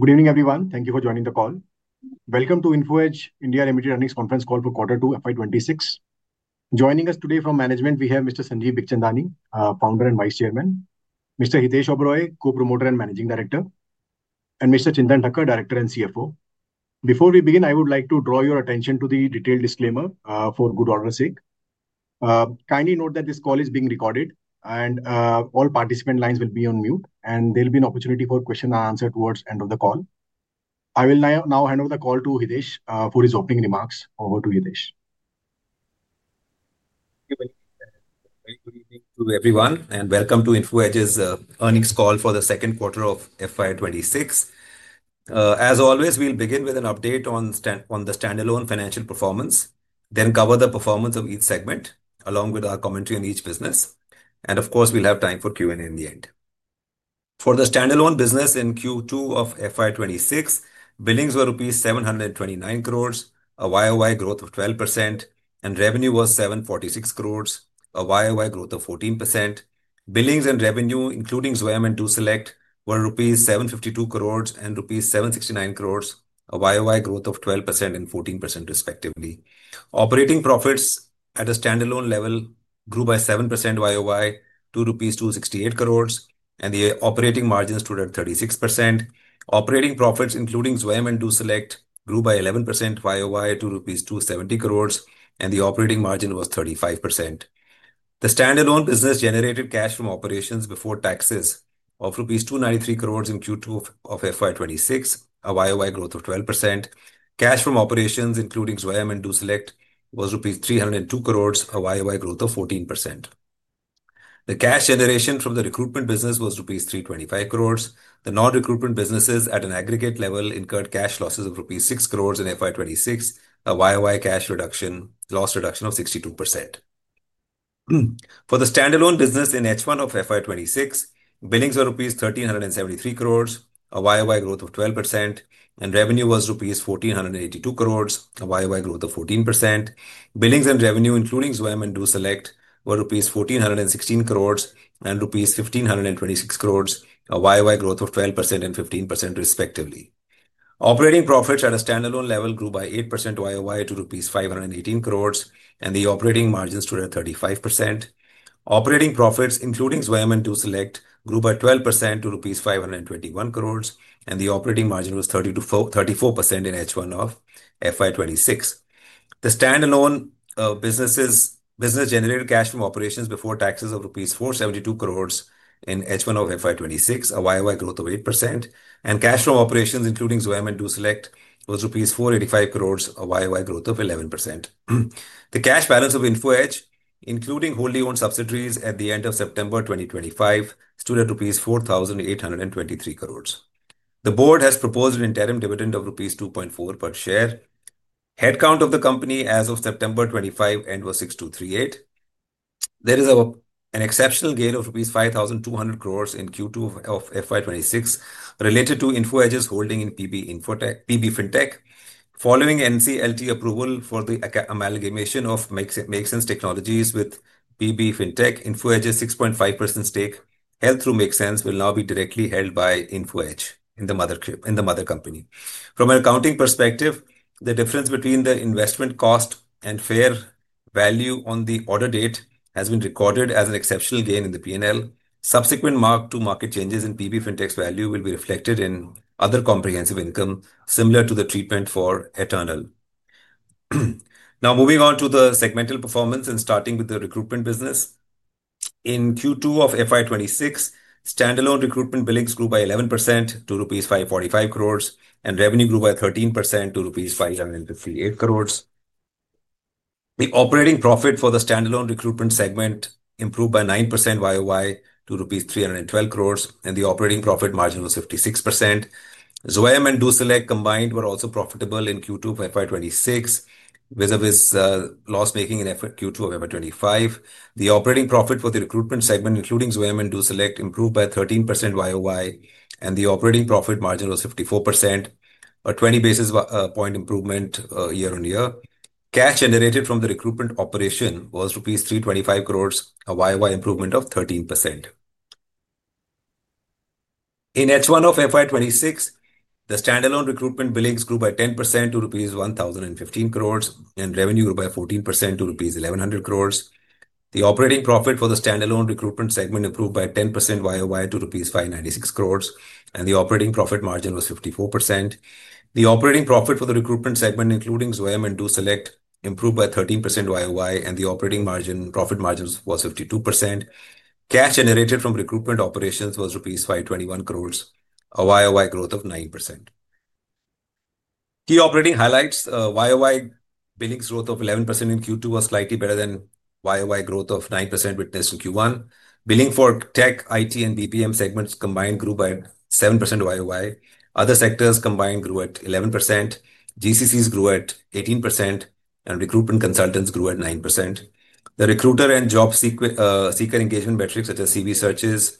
Good evening, everyone. Thank you for joining the call. Welcome to Info Edge India Limited earnings conference call for Q2, FY 2026. Joining us today from management, we have Mr. Sanjeev Bikhchandani, Founder and Vice Chairman, Mr. Hitesh Oberoi, Co-Promoter and Managing Director, and Mr. Chintan Thakkar, Director and CFO. Before we begin, I would like to draw your attention to the detailed disclaimer for good order's sake. Kindly note that this call is being recorded, and all participant lines will be on mute, and there will be an opportunity for question and answer towards the end of the call. I will now hand over the call to Hitesh for his opening remarks. Over to Hitesh. Good evening to everyone, and welcome to Info Edge's earnings call for the second quarter of FY26. As always, we'll begin with an update on the standalone financial performance, then cover the performance of each segment, along with our commentary on each business. Of course, we'll have time for Q&A in the end. For the standalone business in Q2 of FY 2026, billings were rupees 729 crore, a YoY growth of 12%, and revenue was 746 crore, a YoY growth of 14%. Billings and revenue, including Zwayam and DoSelect, were rupees 752 crore and rupees 769 crore, a YoY growth of 12% and 14%, respectively. Operating profits at a standalone level grew by 7% YoY, 268 crore rupees, and the operating margin stood at 36%. Operating profits, including Zwayam and DoSelect, grew by 11% YoY, rupees 270 crore, and the operating margin was 35%. The standalone business generated cash from operations before taxes of rupees 293 crores in Q2 of FY 2026, a YoY growth of 12%. Cash from operations, including Zwayam and DoSelect, was rupees 302 crores, a YoY growth of 14%. The cash generation from the recruitment business was rupees 325 crores. The non-recruitment businesses at an aggregate level incurred cash losses of rupees 6 crores in FY 2026, a YoY cash loss reduction of 62%. For the standalone business in H1 of FY 2026, billings were rupees 1,373 crores, a YOY growth of 12%, and revenue was rupees 1,482 crores, a YoY growth of 14%. Billings and revenue, including Zwayam and DoSelect, were rupees 1,416 crores and rupees 1,526 crores, a YoY growth of 12% and 15%, respectively. Operating profits at a standalone level grew by 8% YoY to rupees 518 crores, and the operating margins stood at 35%. Operating profits, including Zwayam and DoSelect, grew by 12% to rupees 521 crore, and the operating margin was 34% in H1 of FY 2026. The standalone businesses' business generated cash from operations before taxes of rupees 472 crore in H1 of FY 2026, a YoY growth of 8%, and cash from operations, including Zwayam and DoSelect, was rupees 485 crore, a YoY growth of 11%. The cash balance of Info Edge, including wholly owned subsidiaries at the end of September 2025, stood at rupees 4,823 crore. The board has proposed an interim dividend of rupees 2.4 per share. Headcount of the company as of September 2025 end was 6,238. There is an exceptional gain of rupees 5,200 crore in Q2 of FY 2026 related to Info Edge's holding in PB Fintech. Following NCLT approval for the amalgamation of MakeSense Technologies with PB Fintech, Info Edge's 6.5% stake held through MakeSense will now be directly held by Info Edge in the mother company. From an accounting perspective, the difference between the investment cost and fair value on the order date has been recorded as an exceptional gain in the P&L. Subsequent mark-to-market changes in PB Fintech's value will be reflected in other comprehensive income, similar to the treatment for Eternal. Now, moving on to the segmental performance and starting with the recruitment business. In Q2 of FY 2026, standalone recruitment billings grew by 11% to rupees 545 crore, and revenue grew by 13% to rupees 558 crore. The operating profit for the standalone recruitment segment improved by 9% YoY to rupees 312 crore, and the operating profit margin was 56%. Zwayam and DoSelect combined were also profitable in Q2 of FY 2026 vis-à-vis loss-making in Q2 of FY 2025. The operating profit for the recruitment segment, including Zwayam and DoSelect, improved by 13% YoY, and the operating profit margin was 54%, a 20 basis point improvement year-on-year. Cash generated from the recruitment operation was rupees 3.25 billion, a YoY improvement of 13%. In H1 of FY 2026, the standalone recruitment billings grew by 10% to rupees 10.15 billion, and revenue grew by 14% to rupees 11.00 billion. The operating profit for the standalone recruitment segment improved by 10% YoY to rupees 5.96 billion, and the operating profit margin was 54%. The operating profit for the recruitment segment, including Zwayam and DoSelect, improved by 13% YoY and the operating profit margin was 52%. Cash generated from recruitment operations was rupees 5.21 billion, a YoY growth of 9%. Key operating highlights, YoY billings growth of 11% in Q2 was slightly better than YoY growth of 9% witnessed in Q1. Billing for tech, IT, and BPM segments combined grew by 7% YoY. Other sectors combined grew at 11%. GCCs grew at 18%, and recruitment consultants grew at 9%. The recruiter and job seeker engagement metrics, such as CV searches,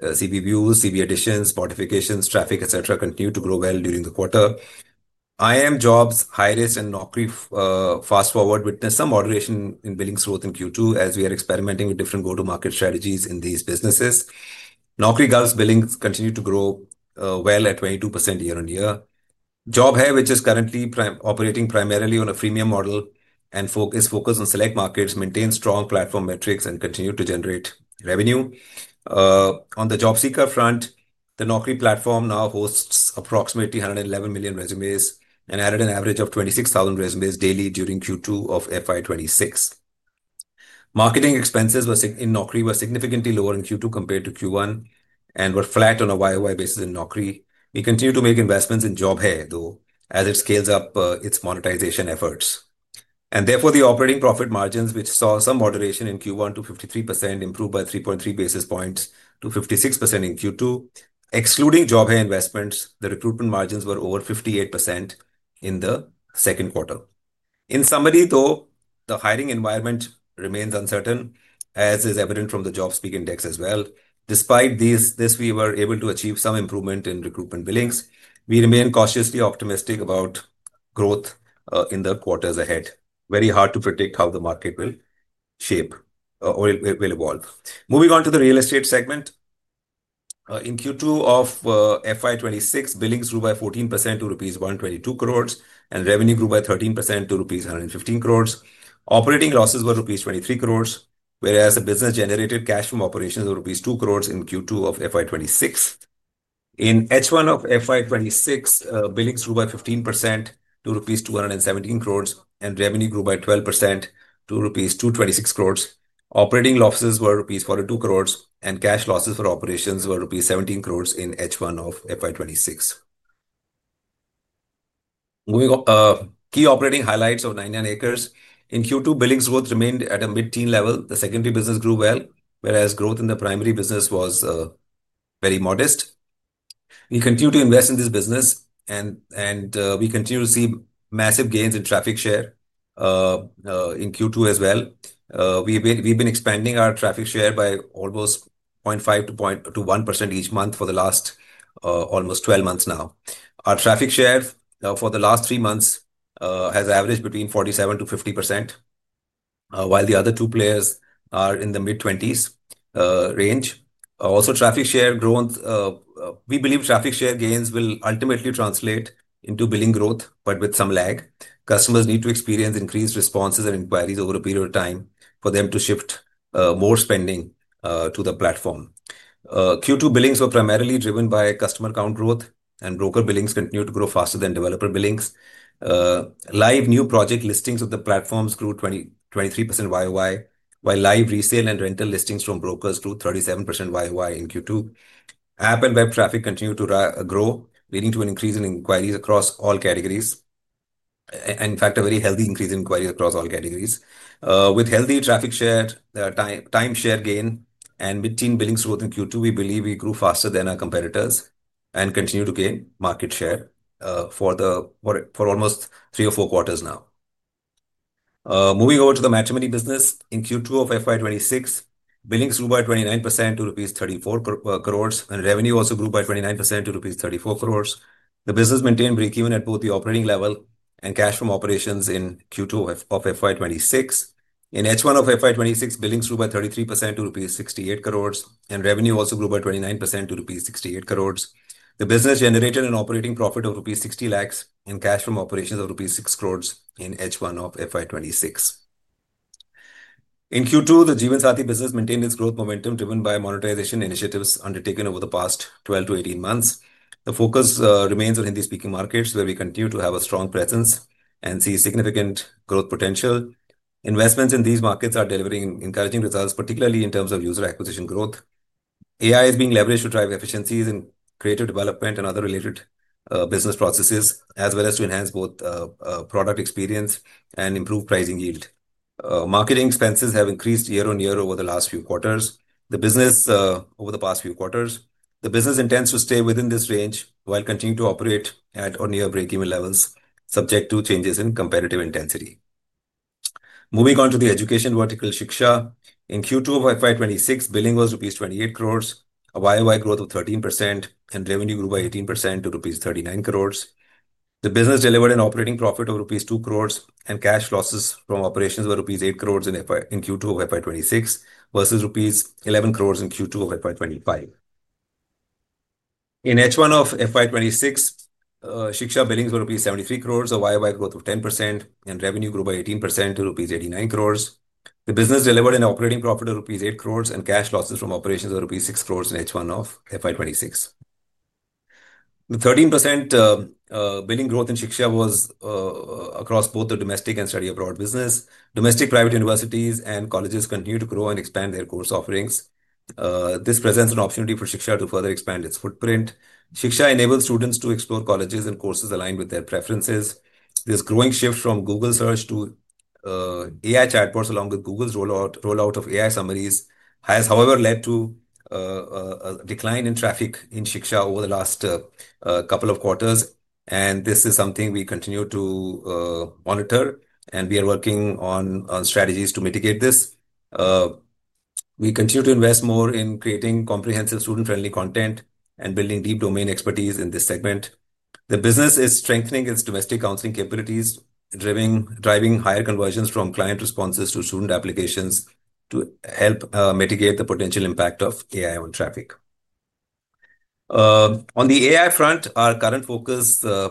CV views, CV additions, modifications, traffic, etc., continued to grow well during the quarter. IIIMjobs, Hirist, and Naukri Fast Forward witnessed some moderation in billings growth in Q2, as we are experimenting with different go-to-market strategies in these businesses. Naukrigulf's billings continued to grow well at 22% year-on-year. Job Hai, which is currently operating primarily on a freemium model and is focused on select markets, maintains strong platform metrics and continued to generate revenue. On the Jobseeker front, the Naukri platform now hosts approximately 111 million resumes and added an average of 26,000 resumes daily during Q2 of FY 2026. Marketing expenses in Naukri were significantly lower in Q2 compared to Q1 and were flat on a YoY basis in Naukri. We continue to make investments in Job Hai, though, as it scales up its monetization efforts. Therefore, the operating profit margins, which saw some moderation in Q1 to 53%, improved by 3.3 basis points to 56% in Q2. Excluding Job Hai Job Hai investments, the recruitment margins were over 58% in the second quarter. In summary, though, the hiring environment remains uncertain, as is evident from the JobSpeed Index as well. Despite this, we were able to achieve some improvement in recruitment billings. We remain cautiously optimistic about growth in the quarters ahead. Very hard to predict how the market will shape or will evolve. Moving on to the real estate segment. In Q2 of FY 2026, billings grew by 14% to rupees 122 crore, and revenue grew by 13% to rupees 115 crore. Operating losses were rupees 23 crore, whereas the business generated cash from operations were rupees 2 crore in Q2 of FY 2026. In H1 of FY 2026, billings grew by 15% to rupees 217 crore, and revenue grew by 12% to rupees 226 crore. Operating losses were rupees 42 crore, and cash losses for operations were rupees 17 crore in H1 of FY 2026. Key operating highlights of 99acres.com. In Q2, billings growth remained at a mid-teen level. The secondary business grew well, whereas growth in the primary business was very modest. We continue to invest in this business, and we continue to see massive gains in traffic share in Q2 as well. We've been expanding our traffic share by almost 0.5%-1% each month for the last almost 12 months now. Our traffic share for the last three months has averaged between 47%-50%, while the other two players are in the mid-20% range. Also, traffic share growth, we believe traffic share gains will ultimately translate into billing growth, but with some lag. Customers need to experience increased responses and inquiries over a period of time for them to shift more spending to the platform. Q2 billings were primarily driven by customer count growth, and broker billings continued to grow faster than developer billings. Live new project listings of the platforms grew 23% YOY, while live resale and rental listings from brokers grew 37% YoY in Q2. App and web traffic continued to grow, leading to an increase in inquiries across all categories. In fact, a very healthy increase in inquiries across all categories. With healthy traffic share, time share gain, and mid-teen billings growth in Q2, we believe we grew faster than our competitors and continue to gain market share for almost three or four quarters now. Moving over to the matrimony business. In Q2 of FY 2026, billings grew by 29% to rupees 34 crore, and revenue also grew by 29% to rupees 34 crore. The business maintained break-even at both the operating level and cash from operations in Q2 of FY 2026. In H1 of FY 2026, billings grew by 33% to rupees 68 crore, and revenue also grew by 29% to rupees 68 crore. The business generated an operating profit of 60 lakh and cash from operations of rupees 6 crore in H1 of FY 2026. In Q2, the Jeevansathi.com business maintained its growth momentum driven by monetization initiatives undertaken over the past 12-18 months. The focus remains on Hindi-speaking markets, where we continue to have a strong presence and see significant growth potential. Investments in these markets are delivering encouraging results, particularly in terms of user acquisition growth. AI is being leveraged to drive efficiencies in creative development and other related business processes, as well as to enhance both product experience and improve pricing yield. Marketing expenses have increased year-on-year over the last few quarters. The business intends to stay within this range while continuing to operate at or near break-even levels, subject to changes in competitive intensity. Moving on to the education vertical, Shiksha. In Q2 of FY 2026, billing was rupees 280 million, a YoY growth of 13%, and revenue grew by 18% to rupees 390 million. The business delivered an operating profit of rupees 2 crore, and cash losses from operations were rupees 8 crore in Q2 of FY 2026 versus rupees 11 crore in Q2 of FY 2025. In H1 of FY 2026, Shiksha billings were rupees 73 crore, a YoY growth of 10%, and revenue grew by 18% to rupees 89 crore. The business delivered an operating profit of rupees 8 crore, and cash losses from operations were rupees 6 crore in H1 of FY 2026. The 13% billing growth in Shiksha was across both the domestic and study abroad business. Domestic private universities and colleges continue to grow and expand their course offerings. This presents an opportunity for Shiksha to further expand its footprint. Shiksha enables students to explore colleges and courses aligned with their preferences. This growing shift from Google Search to AI chatbots along with Google's rollout of AI summaries has, however, led to a decline in traffic in Shiksha.com over the last couple of quarters. This is something we continue to monitor, and we are working on strategies to mitigate this. We continue to invest more in creating comprehensive student-friendly content and building deep domain expertise in this segment. The business is strengthening its domestic counseling capabilities, driving higher conversions from client responses to student applications to help mitigate the potential impact of AI on traffic. On the AI front, our current focus on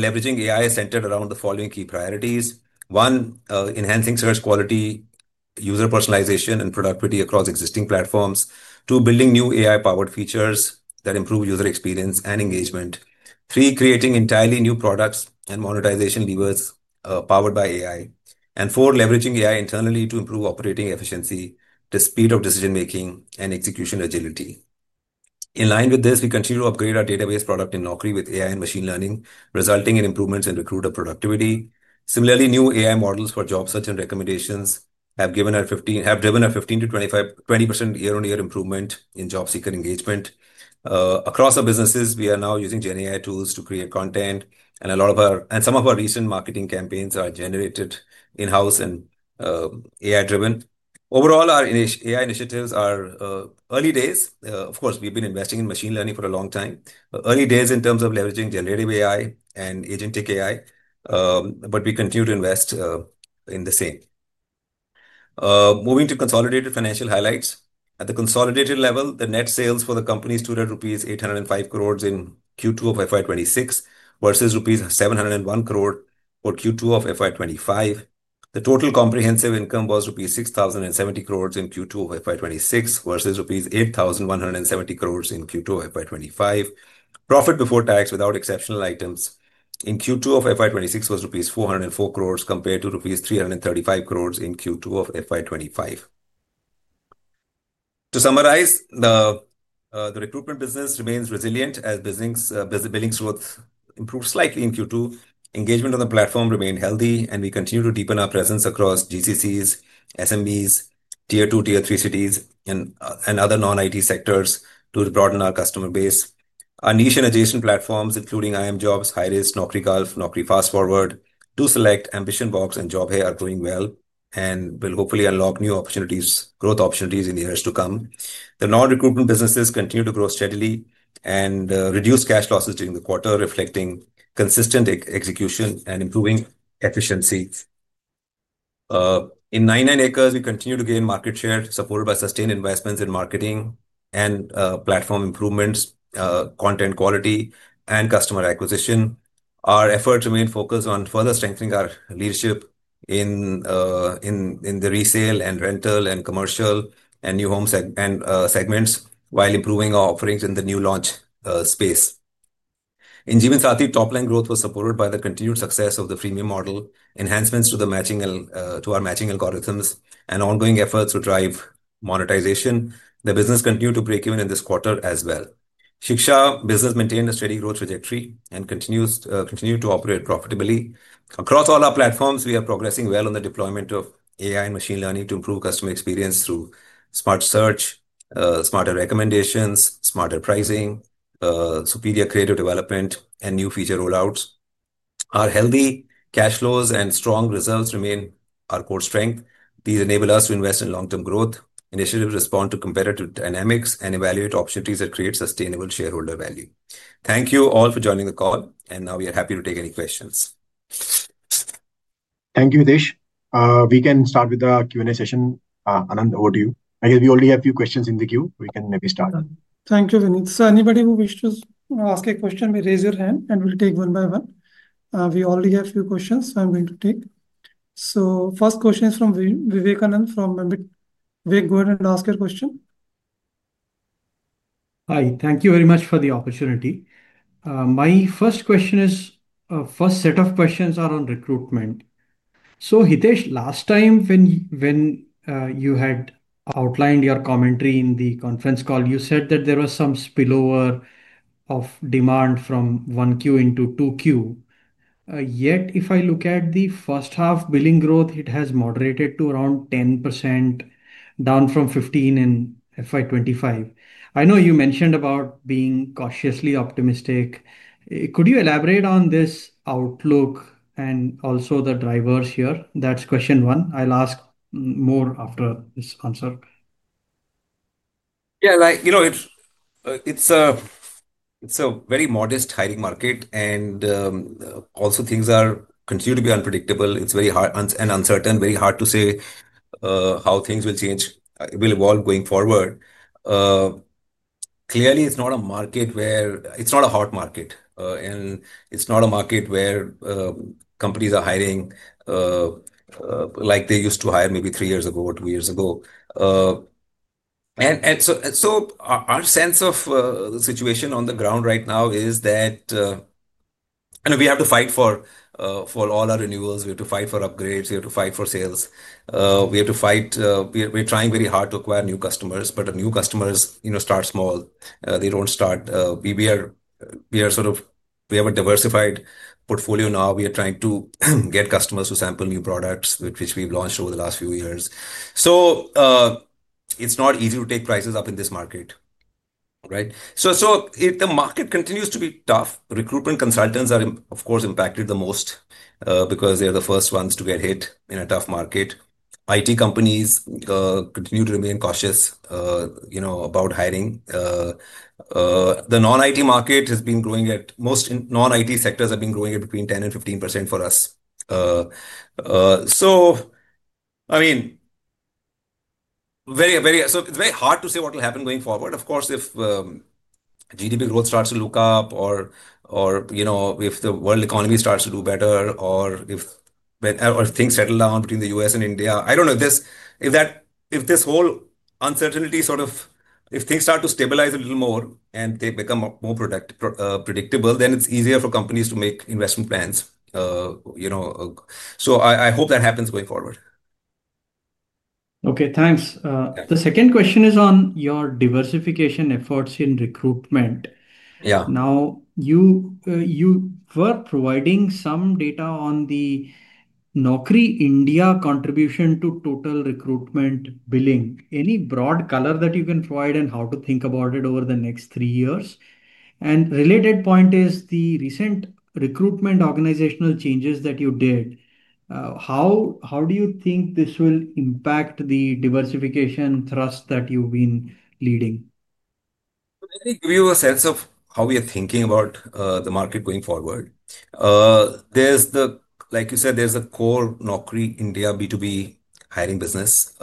leveraging AI is centered around the following key priorities. one, enhancing search quality, user personalization, and productivity across existing platforms, two, building new AI-powered features that improve user experience and engagement, three, creating entirely new products and monetization levers powered by AI, and four, leveraging AI internally to improve operating efficiency, the speed of decision-making, and execution agility. In line with this, we continue to upgrade our database product in Naukri.com with AI and machine learning, resulting in improvements in recruiter productivity. Similarly, new AI models for job search and recommendations have driven a 15%-20% year-on-year improvement in job seeker engagement. Across our businesses, we are now using GenAI tools to create content, and some of our recent marketing campaigns are generated in-house and AI-driven. Overall, our AI initiatives are early days. Of course, we've been investing in machine learning for a long time, early days in terms of leveraging generative AI and agentic AI, but we continue to invest in the same. Moving to consolidated financial highlights. At the consolidated level, the net sales for the company stood at rupees 805 crore in Q2 of FY 2026 versus rupees 701 crore for Q2 of FY 2025. The total comprehensive income was rupees 6,070 crore in Q2 of FY 2026 versus rupees 8,170 crore in Q2 of FY 2025. Profit before tax, without exceptional items in Q2 of FY 2026, was rupees 404 crore compared to rupees 335 crore in Q2 of FY 2025. To summarize, the recruitment business remains resilient as billings growth improved slightly in Q2. Engagement on the platform remained healthy, and we continue to deepen our presence across GCCs, SMBs, Tier 2, Tier 3 cities, and other non-IT sectors to broaden our customer base. Our niche and adjacent platforms, including IIMjobs, Hirist, Naukrigulf, Naukri Fast Forward, DoSelect, AmbitionBox, and Job Hai, are growing well and will hopefully unlock new growth opportunities in the years to come. The non-recruitment businesses continue to grow steadily and reduce cash losses during the quarter, reflecting consistent execution and improving efficiency. In 99acres.com, we continue to gain market share supported by sustained investments in marketing and platform improvements, content quality, and customer acquisition. Our efforts remain focused on further strengthening our leadership in the resale and rental and commercial and new home segments while improving our offerings in the new launch space. In Jeevansathi.com, top-line growth was supported by the continued success of the freemium model, enhancements to our matching algorithms, and ongoing efforts to drive monetization. The business continued to break even in this quarter as well. Shiksha business maintained a steady growth trajectory and continued to operate profitably. Across all our platforms, we are progressing well on the deployment of AI and machine learning to improve customer experience through smart search, smarter recommendations, smarter pricing, superior creative development, and new feature rollouts. Our healthy cash flows and strong results remain our core strength. These enable us to invest in long-term growth, initiative, respond to competitive dynamics, and evaluate opportunities that create sustainable shareholder value. Thank you all for joining the call, and now we are happy to take any questions. Thank you, Hitesh. We can start with the Q&A session. Anand, over to you. I guess we already have a few questions in the queue. We can maybe start. Thank you, Vineet. So anybody who wishes to ask a question, may raise your hand, and we'll take one by one. We already have a few questions, so I'm going to take. First question is from Vivekanand from Vivek Goan, and ask your question. Hi, thank you very much for the opportunity. My first question is, first set of questions are on recruitment. So Hitesh, last time when you had outlined your commentary in the conference call, you said that there was some spillover of demand from 1Q into 2Q. Yet, if I look at the first half, billing growth, it has moderated to around 10%, down from 15% in FY 2025. I know you mentioned about being cautiously optimistic. Could you elaborate on this outlook and also the drivers here? That's question one. I'll ask more after this answer. Yeah, like you know, it's a very modest hiring market, and also things continue to be unpredictable. It's very hard and uncertain, very hard to say how things will change, will evolve going forward. Clearly, it's not a market where it's not a hot market, and it's not a market where companies are hiring like they used to hire maybe three years ago or two years ago. Our sense of the situation on the ground right now is that we have to fight for all our renewals. We have to fight for upgrades. We have to fight for sales. We have to fight. We're trying very hard to acquire new customers, but new customers start small. They don't start. We are sort of, we have a diversified portfolio now. We are trying to get customers to sample new products, which we've launched over the last few years. It's not easy to take prices up in this market, right? The market continues to be tough. Recruitment consultants are, of course, impacted the most because they are the first ones to get hit in a tough market. IT companies continue to remain cautious about hiring. The non-IT market has been growing at, most non-IT sectors have been growing at between 10% and 15% for us. I mean, very, very, so it's very hard to say what will happen going forward. Of course, if GDP growth starts to look up, or if the world economy starts to do better, or if things settle down between the U.S. and India, I don't know if this whole uncertainty sort of, if things start to stabilize a little more and they become more predictable, then it's easier for companies to make investment plans. I hope that happens going forward. Okay, thanks. The second question is on your diversification efforts in recruitment. Now, you were providing some data on the Naukri India contribution to total recruitment billing. Any broad color that you can provide and how to think about it over the next three years? A related point is the recent recruitment organizational changes that you did. How do you think this will impact the diversification thrust that you've been leading? Let me give you a sense of how we are thinking about the market going forward. Like you said, there's a core Naukri India B2B hiring business,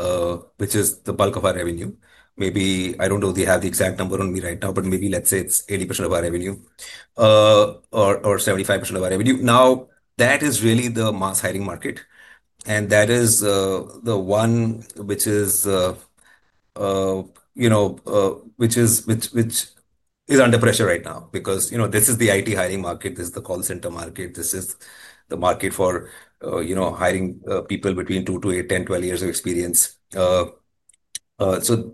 which is the bulk of our revenue. Maybe I don't know if they have the exact number on me right now, but maybe let's say it's 80% of our revenue or 75% of our revenue. Now, that is really the mass hiring market. That is the one which is under pressure right now because this is the IT hiring market. This is the call center market. This is the market for hiring people between two to eight, 10, 12 years of experience.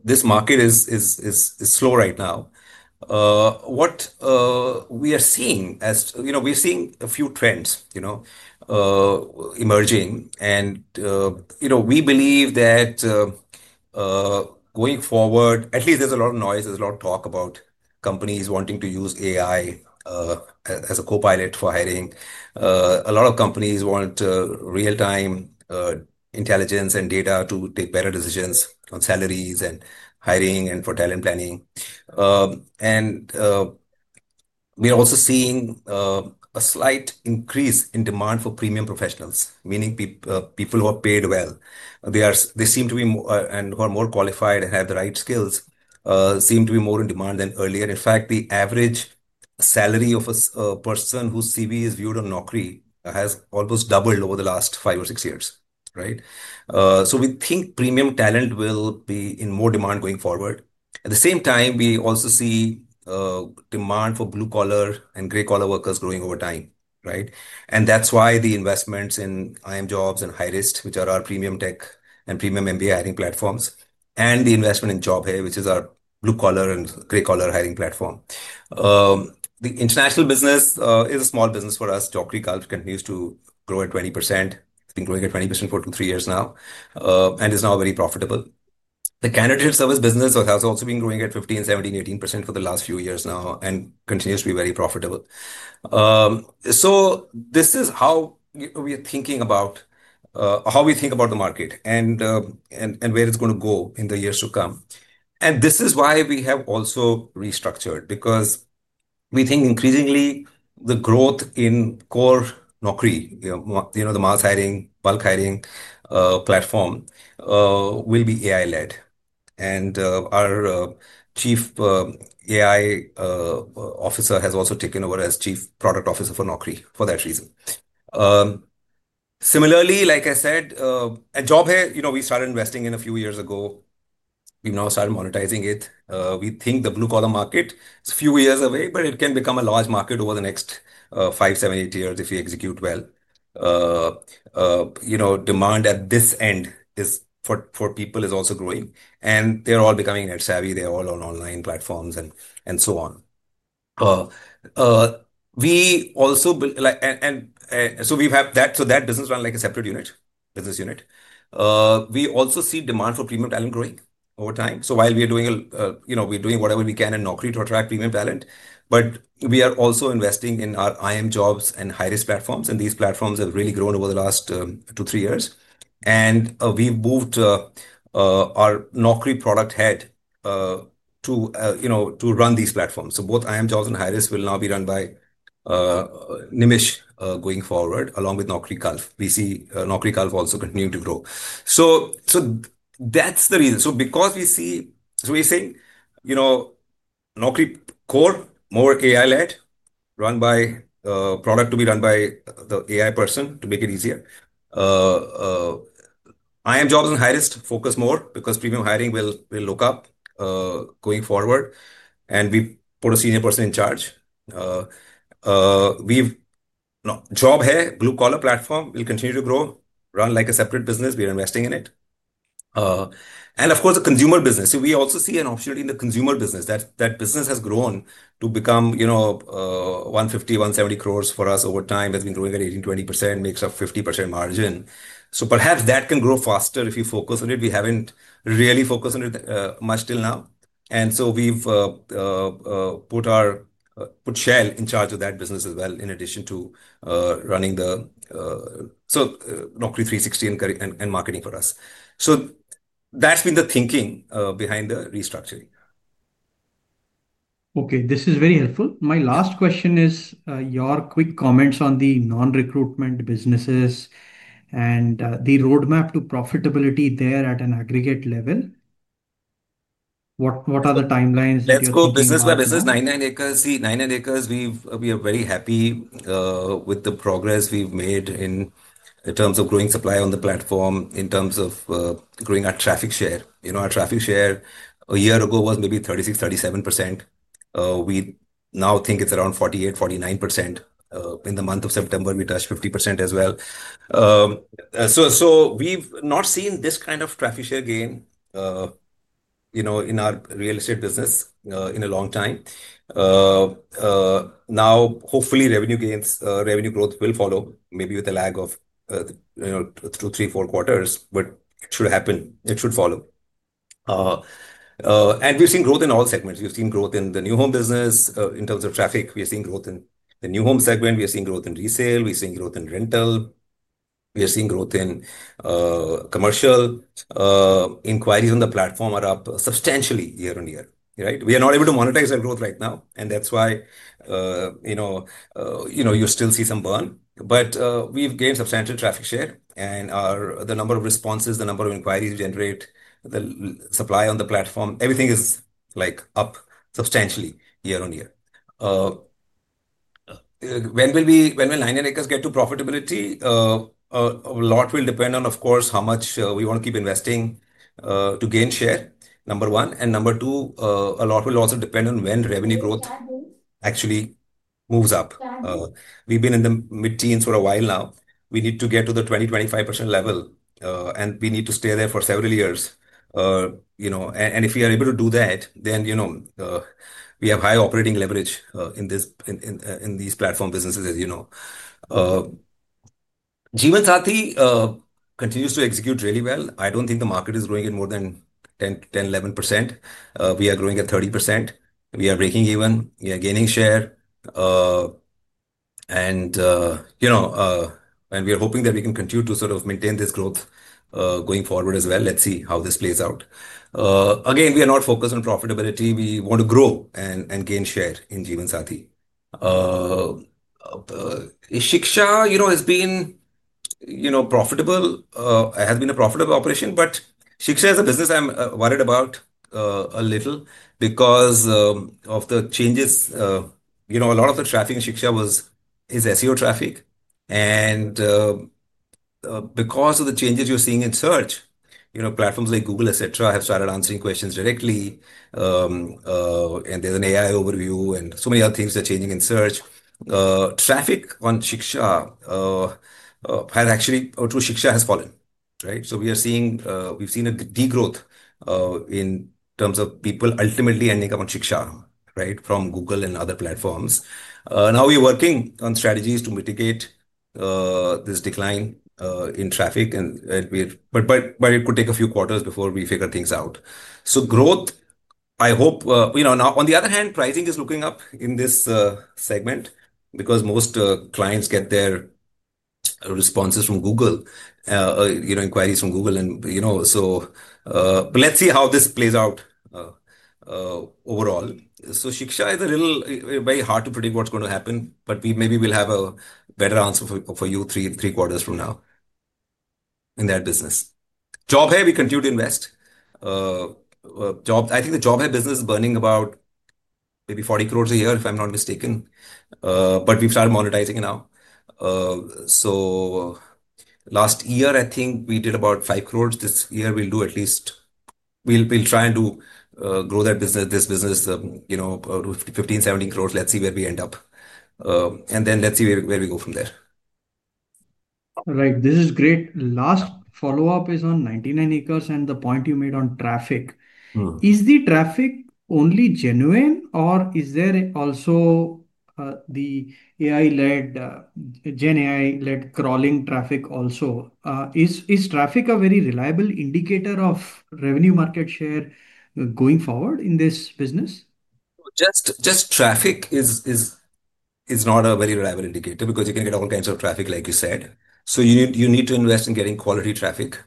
This market is slow right now. What we are seeing is we're seeing a few trends emerging. We believe that going forward, at least there's a lot of noise. There's a lot of talk about companies wanting to use AI as a copilot for hiring. A lot of companies want real-time intelligence and data to take better decisions on salaries and hiring and for talent planning. We're also seeing a slight increase in demand for premium professionals, meaning people who are paid well. They seem to be, and who are more qualified and have the right skills, seem to be more in demand than earlier. In fact, the average salary of a person whose CV is viewed on Naukri.com has almost doubled over the last five or six years, right? We think premium talent will be in more demand going forward. At the same time, we also see demand for blue-collar and gray-collar workers growing over time, right? That is why the investments in IIMjobs and Hirist, which are our premium tech and premium MBA hiring platforms, and the investment in Job Hai, which is our blue-collar and gray-collar hiring platform. The international business is a small business for us. Naukrigulf continues to grow at 20%. It has been growing at 20% for two to three years now and is now very profitable. The candidate service business has also been growing at 15%, 17%, 18% for the last few years now and continues to be very profitable. This is how we are thinking about how we think about the market and where it's going to go in the years to come. This is why we have also restructured because we think increasingly the growth in core Naukri, the mass hiring, bulk hiring platform, will be AI-led. Our Chief AI Officer has also taken over as Chief Product Officer for Naukri for that reason. Similarly, like I said, at Job Hai, we started investing in a few years ago. We've now started monetizing it. We think the blue-collar market is a few years away, but it can become a large market over the next five, seven, eight years if we execute well. Demand at this end for people is also growing, and they're all becoming edge-savvy. They're all on online platforms and so on. We have that. That does not run like a separate business unit. We also see demand for premium talent growing over time. While we are doing whatever we can in Naukri to attract premium talent, we are also investing in our IIMjobs and Hirist platforms. These platforms have really grown over the last two to three years. We have moved our Naukri product head to run these platforms. Both IIMjobs and Hirist will now be run by Nimish going forward along with Naukrigulf We see Naukrigulf also continuing to grow. That is the reason. We are seeing Naukri core, more AI-led, run by product to be run by the AI person to make it easier. IIMjobs and Hirist focus more because premium hiring will look up going forward. We put a senior person in charge. Job Hai, blue-collar platform, will continue to grow, run like a separate business. We are investing in it. Of course, the consumer business. We also see an opportunity in the consumer business. That business has grown to become 150 crore-170 crore for us over time. It has been growing at 18%-20%, makes up 50% margin. Perhaps that can grow faster if you focus on it. We have not really focused on it much till now. We have put Shell in charge of that business as well in addition to running the Naukri 360 and marketing for us. That has been the thinking behind the restructuring. Okay, this is very helpful. My last question is your quick comments on the non-recruitment businesses and the roadmap to profitability there at an aggregate level. What are the timelines? Let's go business by business. 99acres.com, see, 99acres.com, we are very happy with the progress we have made in terms of growing supply on the platform, in terms of growing our traffic share. Our traffic share a year ago was maybe 36%-37%. We now think it is around 48%-49%. In the month of September, we touched 50% as well. We have not seen this kind of traffic share gain in our real estate business in a long time. Now, hopefully, revenue growth will follow, maybe with a lag of two, three, four quarters, but it should happen. It should follow. We have seen growth in all segments. We have seen growth in the new home business. In terms of traffic, we are seeing growth in the new home segment. We are seeing growth in resale. We are seeing growth in rental. We are seeing growth in commercial. Inquiries on the platform are up substantially year-on-year, right? We are not able to monetize our growth right now. That is why you still see some burn. We have gained substantial traffic share. The number of responses, the number of inquiries we generate, the supply on the platform, everything is up substantially year-on-year. When will 99acres.com get to profitability? A lot will depend on, of course, how much we want to keep investing to gain share, number one. Number two, a lot will also depend on when revenue growth actually moves up. We have been in the mid-teens for a while now. We need to get to the 20%-25% level, and we need to stay there for several years. If we are able to do that, then we have high operating leverage in these platform businesses, as you know. Jeevansathi.com continues to execute really well. I don't think the market is growing at more than, 10%, 11%. We are growing at 30%. We are breaking even. We are gaining share. We are hoping that we can continue to sort of maintain this growth going forward as well. Let's see how this plays out. Again, we are not focused on profitability. We want to grow and gain share in Jeevansathi.com. Shiksha has been profitable. It has been a profitable operation. Shiksha.com is a business I'm worried about a little because of the changes. A lot of the traffic in Shiksha was its SEO traffic. Because of the changes you're seeing in search, platforms like Google, etc., have started answering questions directly. There is an AI overview and so many other things are changing in search. Traffic on Shiksha has actually, through Shiksha, has fallen, right? We are seeing, we've seen a degrowth in terms of people ultimately ending up on Shiksha from Google and other platforms. Now we're working on strategies to mitigate this decline in traffic. It could take a few quarters before we figure things out. Growth, I hope. On the other hand, pricing is looking up in this segment because most clients get their responses from Google, inquiries from Google. Let's see how this plays out overall. Shiksha is a little very hard to predict what's going to happen, but maybe we'll have a better answer for you three quarters from now in that business. Job Hai, we continue to invest. I think the Job Hai business is burning about maybe 400,000,000 a year, if I'm not mistaken. We've started monetizing it now. Last year, I think we did about 50,000,000. This year, we'll do at least, we'll try and grow that business, this business, 15 crore-1INR 7 crore. Let's see where we end up. Let's see where we go from there. All right, this is great. Last follow-up is on 99acres.com and the point you made on traffic. Is the traffic only genuine, or is there also the AI-led, GenAI-led crawling traffic also? Is traffic a very reliable indicator of revenue market share going forward in this business? Just traffic is not a very reliable indicator because you can get all kinds of traffic, like you said. You need to invest in getting quality traffic,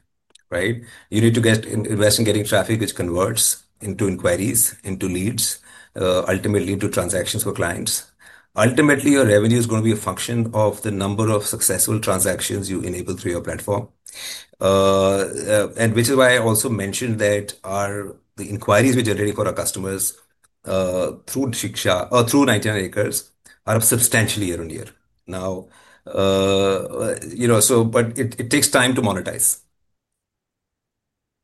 right? You need to invest in getting traffic which converts into inquiries, into leads, ultimately into transactions for clients. Ultimately, your revenue is going to be a function of the number of successful transactions you enable through your platform. Which is why I also mentioned that the inquiries we're generating for our customers through Shiksha or through 99acres.com are substantially year on year. It takes time to monetize.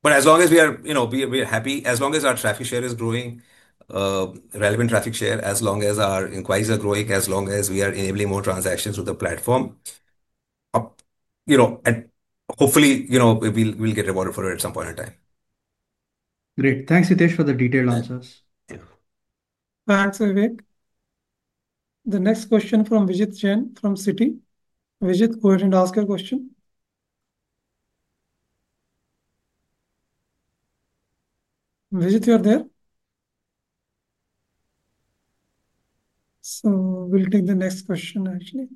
As long as we are happy, as long as our traffic share is growing, relevant traffic share, as long as our inquiries are growing, as long as we are enabling more transactions with the platform, hopefully, we'll get rewarded for it at some point in time. Great. Thanks, Hitesh, for the detailed answers. Thanks, Vivek. The next question from Vijit Jain from Citi. Vijit, go ahead and ask your question. Vijit, you are there? We will take the next question, actually.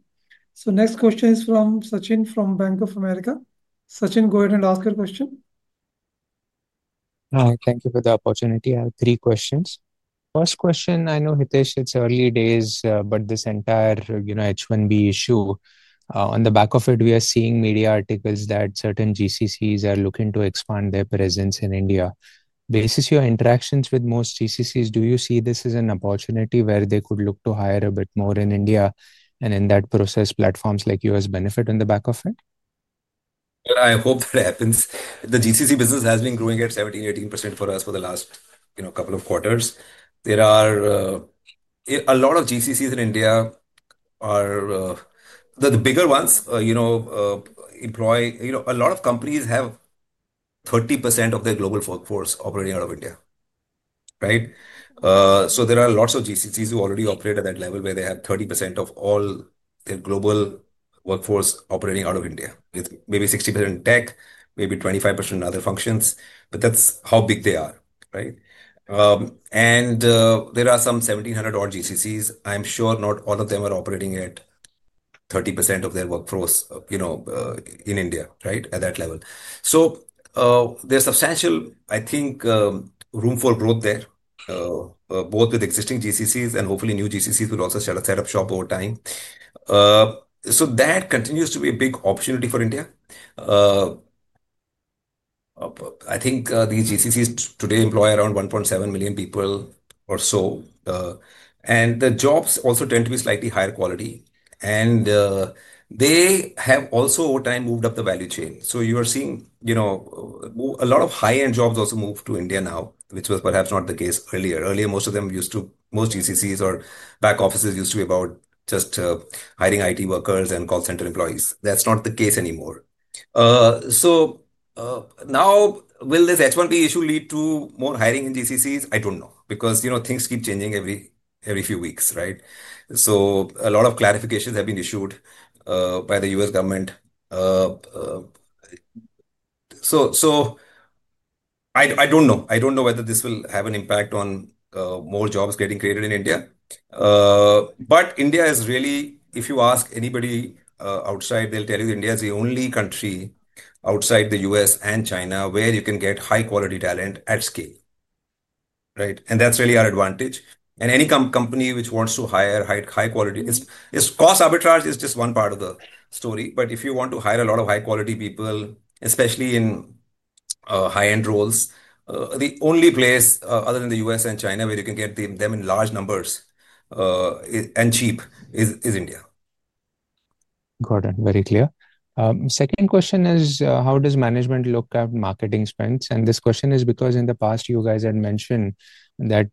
The next question is from Sachin from Bank of America. Sachin, go ahead and ask your question. Thank you for the opportunity. I have three questions. First question, I know, Hitesh, it's early days, but this entire H1B issue, on the back of it, we are seeing media articles that certain GCCs are looking to expand their presence in India. Basis your interactions with most GCCs, do you see this as an opportunity where they could look to hire a bit more in India? In that process, platforms like you as benefit on the back of it? I hope that happens. The GCC business has been growing at 17%-18% for us for the last couple of quarters. A lot of GCCs in India are the bigger ones employ. A lot of companies have 30% of their global workforce operating out of India, right? There are lots of GCCs who already operate at that level where they have 30% of all their global workforce operating out of India, with maybe 60% in tech, maybe 25% in other functions. That is how big they are, right? There are some 1,700 odd GCCs. I'm sure not all of them are operating at 30% of their workforce in India at that level. There is substantial, I think, room for growth there, both with existing GCCs and hopefully new GCCs will also set up shop over time. That continues to be a big opportunity for India. I think these GCCs today employ around 1.7 million people or so. The jobs also tend to be slightly higher quality. They have also over time moved up the value chain. You are seeing a lot of high-end jobs also move to India now, which was perhaps not the case earlier. Earlier, most of them used to, most GCCs or back offices used to be about just hiring IT workers and call center employees. That's not the case anymore. Now, will this H1B issue lead to more hiring in GCCs? I don't know because things keep changing every few weeks, right? A lot of clarifications have been issued by the U.S. government. I don't know. I don't know whether this will have an impact on more jobs getting created in India. India is really, if you ask anybody outside, they'll tell you India is the only country outside the U.S. and China where you can get high-quality talent at scale, right? That's really our advantage. Any company which wants to hire high-quality, cost arbitrage is just one part of the story. If you want to hire a lot of high-quality people, especially in high-end roles, the only place other than the U.S. and China where you can get them in large numbers and cheap is India. Got it. Very clear. Second question is, how does management look at marketing spends? This question is because in the past, you guys had mentioned that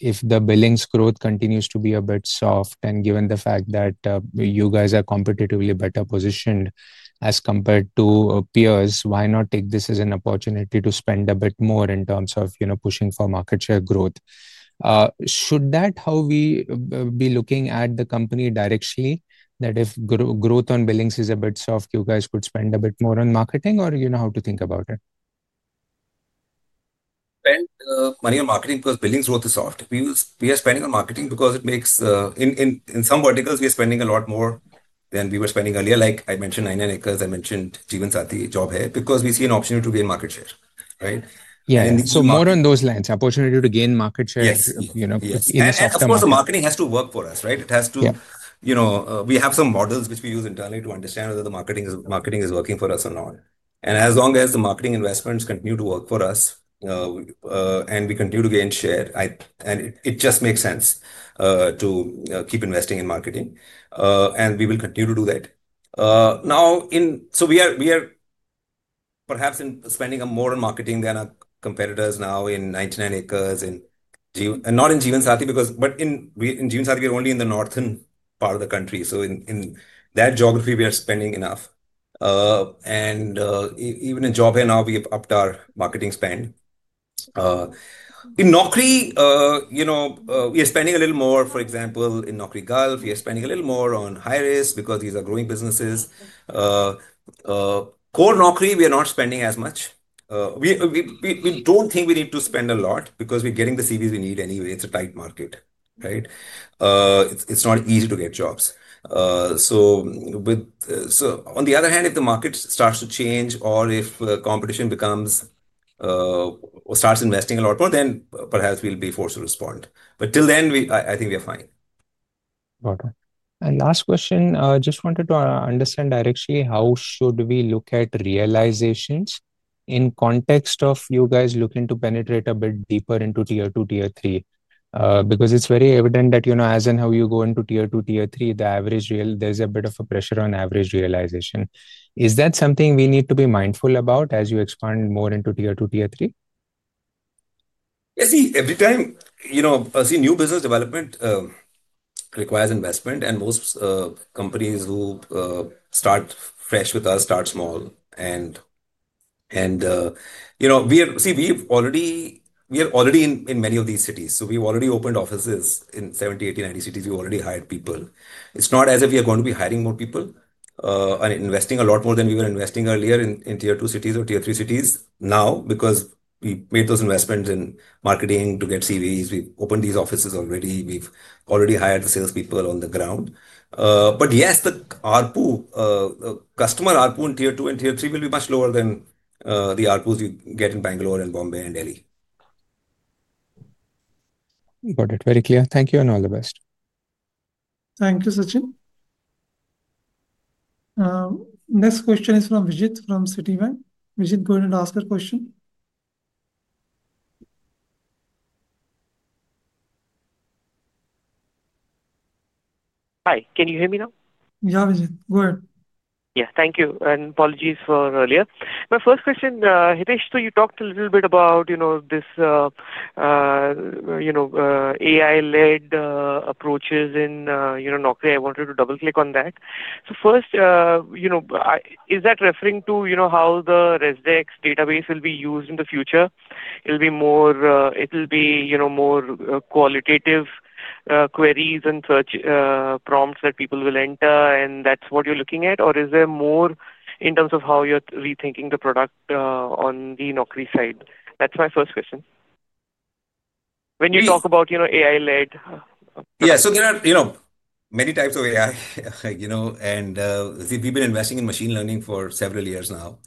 if the billings growth continues to be a bit soft and given the fact that you guys are competitively better positioned as compared to peers, why not take this as an opportunity to spend a bit more in terms of pushing for market share growth? Should that be how we be looking at the company directly? That if growth on billings is a bit soft, you guys could spend a bit more on marketing or how to think about it? Spend money on marketing because billings growth is soft. We are spending on marketing because it makes, in some verticals, we are spending a lot more than we were spending earlier. Like I mentioned, 99acres.com, I mentioned Jeevansathi.com, Job Hai because we see an opportunity to gain market share, right? Yeah. More on those lines, opportunity to gain market share in a soft market. Of course, the marketing has to work for us, right? It has to, we have some models which we use internally to understand whether the marketing is working for us or not. As long as the marketing investments continue to work for us and we continue to gain share, it just makes sense to keep investing in marketing. We will continue to do that. Now, we are perhaps spending more on marketing than our competitors now in 99acres.com and not in Jeevansathi.com, but in Jeevansathi.com, we are only in the northern part of the country. In that geography, we are spending enough. Even in Job Hai now, we have upped our marketing spend. In Naukri.com, we are spending a little more. For example, in Naukrigulf, we are spending a little more on Hirist because these are growing businesses. Core Naukri.com, we are not spending as much. We do not think we need to spend a lot because we are getting the CVs we need anyway. It is a tight market, right? It is not easy to get jobs. On the other hand, if the market starts to change or if competition becomes or starts investing a lot more, then perhaps we'll be forced to respond. Till then, I think we are fine. Got it. Last question, just wanted to understand directly, how should we look at realizations in context of you guys looking to penetrate a bit deeper into Tier 2, Tier 3? Because it's very evident that as in how you go into tier two, tier three, there's a bit of a pressure on average realization. Is that something we need to be mindful about as you expand more into Tier 2, Tier 3? See, every time, new business development requires investment. Most companies who start fresh with us start small. We are already in many of these cities. We've already opened offices in 70, 80, 90 cities. We've already hired people. It's not as if we are going to be hiring more people and investing a lot more than we were investing earlier in tier two cities or tier three cities now because we made those investments in marketing to get CVs. We've opened these offices already. We've already hired the salespeople on the ground. Yes, the customer RPU in Tier 2 and Tier 3 will be much lower than the RPUs you get in Bangalore and Bombay and Delhi. Got it. Very clear. Thank you and all the best. Thank you, Sachin. Next question is from Vijit from CityVine. Vijit, go ahead and ask your question. Hi, can you hear me now? Yeah, Vijit, go ahead. Yeah, thank you. And apologies for earlier. My first question, Hitesh, you talked a little bit about this AI-led approaches in Naukri. I wanted to double-click on that. First, is that referring to how the ResDex database will be used in the future? It'll be more qualitative queries and search prompts that people will enter, and that's what you're looking at? Or is there more in terms of how you're rethinking the product on the Naukri side? That's my first question. When you talk about AI-led. Yeah, there are many types of AI. We've been investing in machine learning for several years now.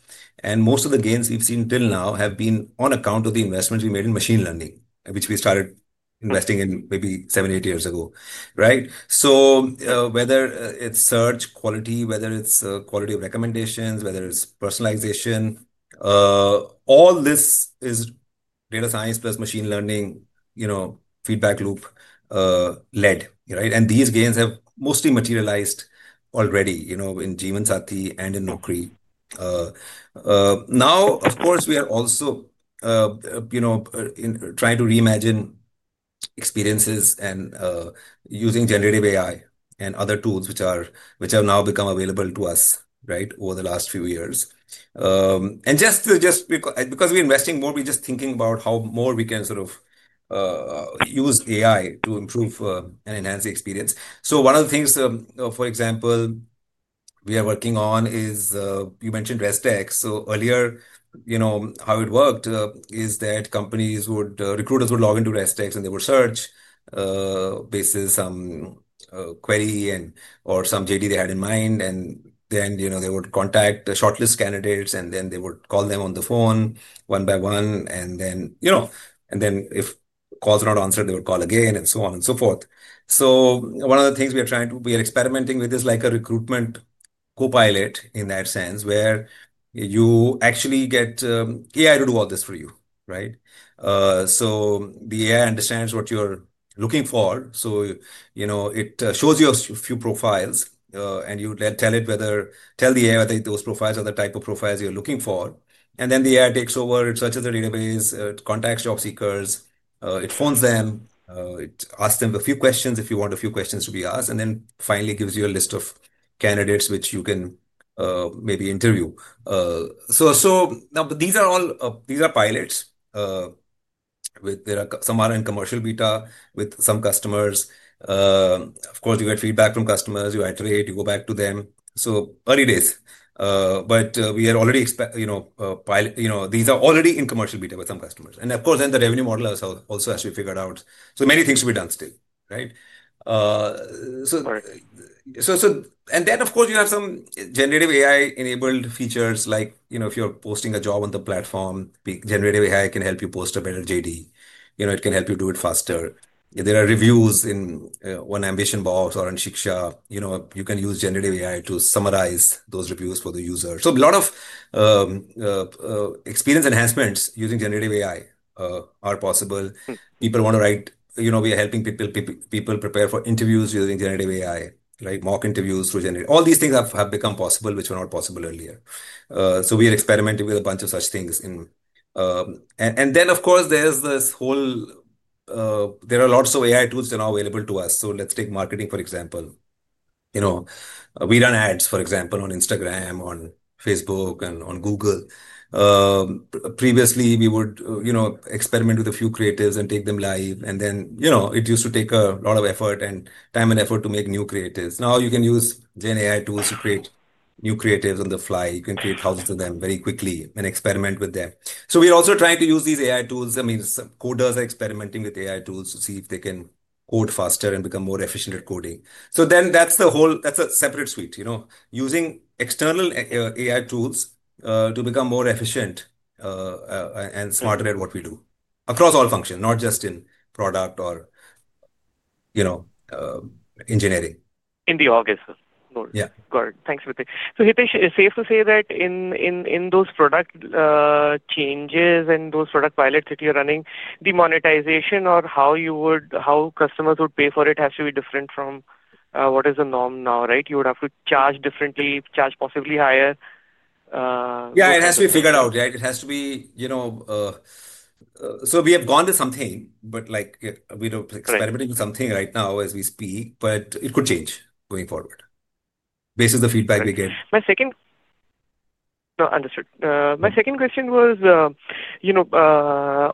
Most of the gains we've seen till now have been on account of the investments we made in machine learning, which we started investing in maybe seven, eight years ago, right? Whether it's search quality, whether it's quality of recommendations, whether it's personalization, all this is data science plus machine learning feedback loop-led, right? These gains have mostly materialized already in Jeevansathi.com and in Naukri.com. Now, of course, we are also trying to reimagine experiences and using generative AI and other tools which have now become available to us, right, over the last few years. Just because we're investing more, we're just thinking about how more we can sort of use AI to improve and enhance the experience. One of the things, for example, we are working on is you mentioned ResDex. Earlier, how it worked is that companies, recruiters would log into ResDex and they would search based on some query or some JD they had in mind. They would contact the shortlist candidates, and then they would call them on the phone one by one. If calls are not answered, they would call again and so on and so forth. One of the things we are trying to, we are experimenting with is like a recruitment copilot in that sense where you actually get AI to do all this for you, right? The AI understands what you're looking for. It shows you a few profiles, and you tell the AI whether those profiles are the type of profiles you're looking for. Then the AI takes over, it searches the database, it contacts job seekers, it phones them, it asks them a few questions if you want a few questions to be asked, and then finally gives you a list of candidates which you can maybe interview. These are pilots. Some are in commercial beta with some customers. Of course, you get feedback from customers. You iterate, you go back to them. Early days. We are already pilot. These are already in commercial beta with some customers. Of course, then the revenue model also has to be figured out. So many things to be done still, right? Then, of course, you have some generative AI-enabled features. Like if you are posting a job on the platform, generative AI can help you post a better JD. It can help you do it faster. There are reviews in AmbitionBox or in Shiksha. You can use generative AI to summarize those reviews for the user. A lot of experience enhancements using generative AI are possible. People want to write. We are helping people prepare for interviews using generative AI, right? Mock interviews through generative. All these things have become possible, which were not possible earlier. We are experimenting with a bunch of such things. There are lots of AI tools that are now available to us. Let's take marketing, for example. We run ads, for example, on Instagram, on Facebook, and on Google. Previously, we would experiment with a few creatives and take them live. It used to take a lot of effort and time and effort to make new creatives. Now you can use GenAI tools to create new creatives on the fly. You can create thousands of them very quickly and experiment with them. We're also trying to use these AI tools. I mean, coders are experimenting with AI tools to see if they can code faster and become more efficient at coding. That is a separate suite, using external AI tools to become more efficient and smarter at what we do across all functions, not just in product or engineering. In the August. Yeah. Got it. Thanks, Vijit. So Hitesh, is it safe to say that in those product changes and those product pilots that you are running, the monetization or how customers would pay for it has to be different from what is the norm now, right? You would have to charge differently, charge possibly higher. Yeah, it has to be figured out, right? It has to be. We have gone to something, but we are experimenting with something right now as we speak. It could change going forward based on the feedback we get. My second. No, understood. My second question was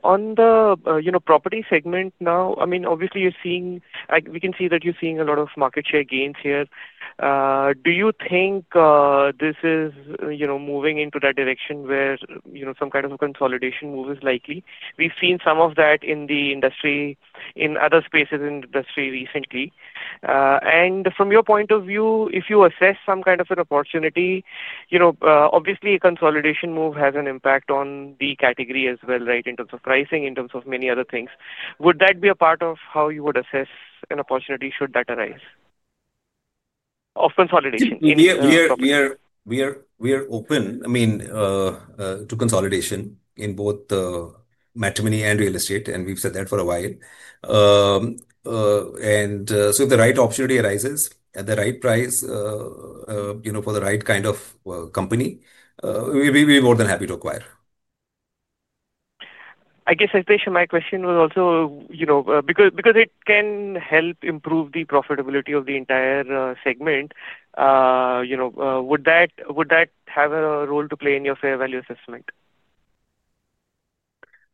on the property segment now. I mean, obviously, we can see that you're seeing a lot of market share gains here. Do you think this is moving into that direction where some kind of a consolidation move is likely? We've seen some of that in the industry, in other spaces in the industry recently. From your point of view, if you assess some kind of an opportunity, obviously, a consolidation move has an impact on the category as well, right, in terms of pricing, in terms of many other things. Would that be a part of how you would assess an opportunity should that arise of consolidation? We are open, I mean, to consolidation in both matrimony and real estate. We've said that for a while. If the right opportunity arises at the right price for the right kind of company, we'd be more than happy to acquire. I guess, Hitesh, my question was also because it can help improve the profitability of the entire segment, would that have a role to play in your fair value assessment?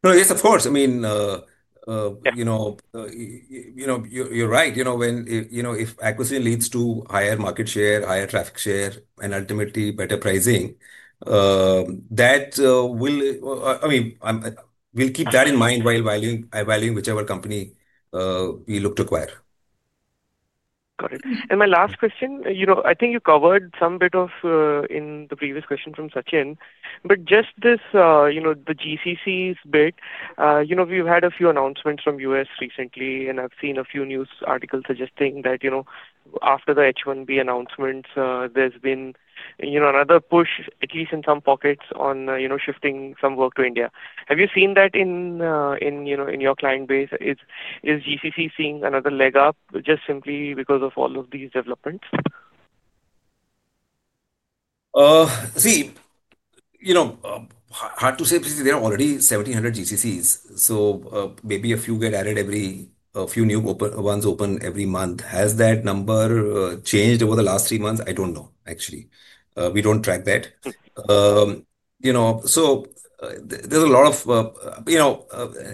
No, yes, of course. I mean, you're right. If accuracy leads to higher market share, higher traffic share, and ultimately better pricing, that will, I mean, we'll keep that in mind while valuing whichever company we look to acquire. Got it. My last question, I think you covered some bit of in the previous question from Sachin. Just the GCC's bit, we've had a few announcements from U.S. recently, and I've seen a few news articles suggesting that after the H1B announcements, there's been another push, at least in some pockets, on shifting some work to India. Have you seen that in your client base? Is GCC seeing another leg up just simply because of all of these developments? See, hard to say because there are already 1,700 GCCs. Maybe a few get added, every few new ones open every month. Has that number changed over the last three months? I don't know, actually. We don't track that. There's a lot of,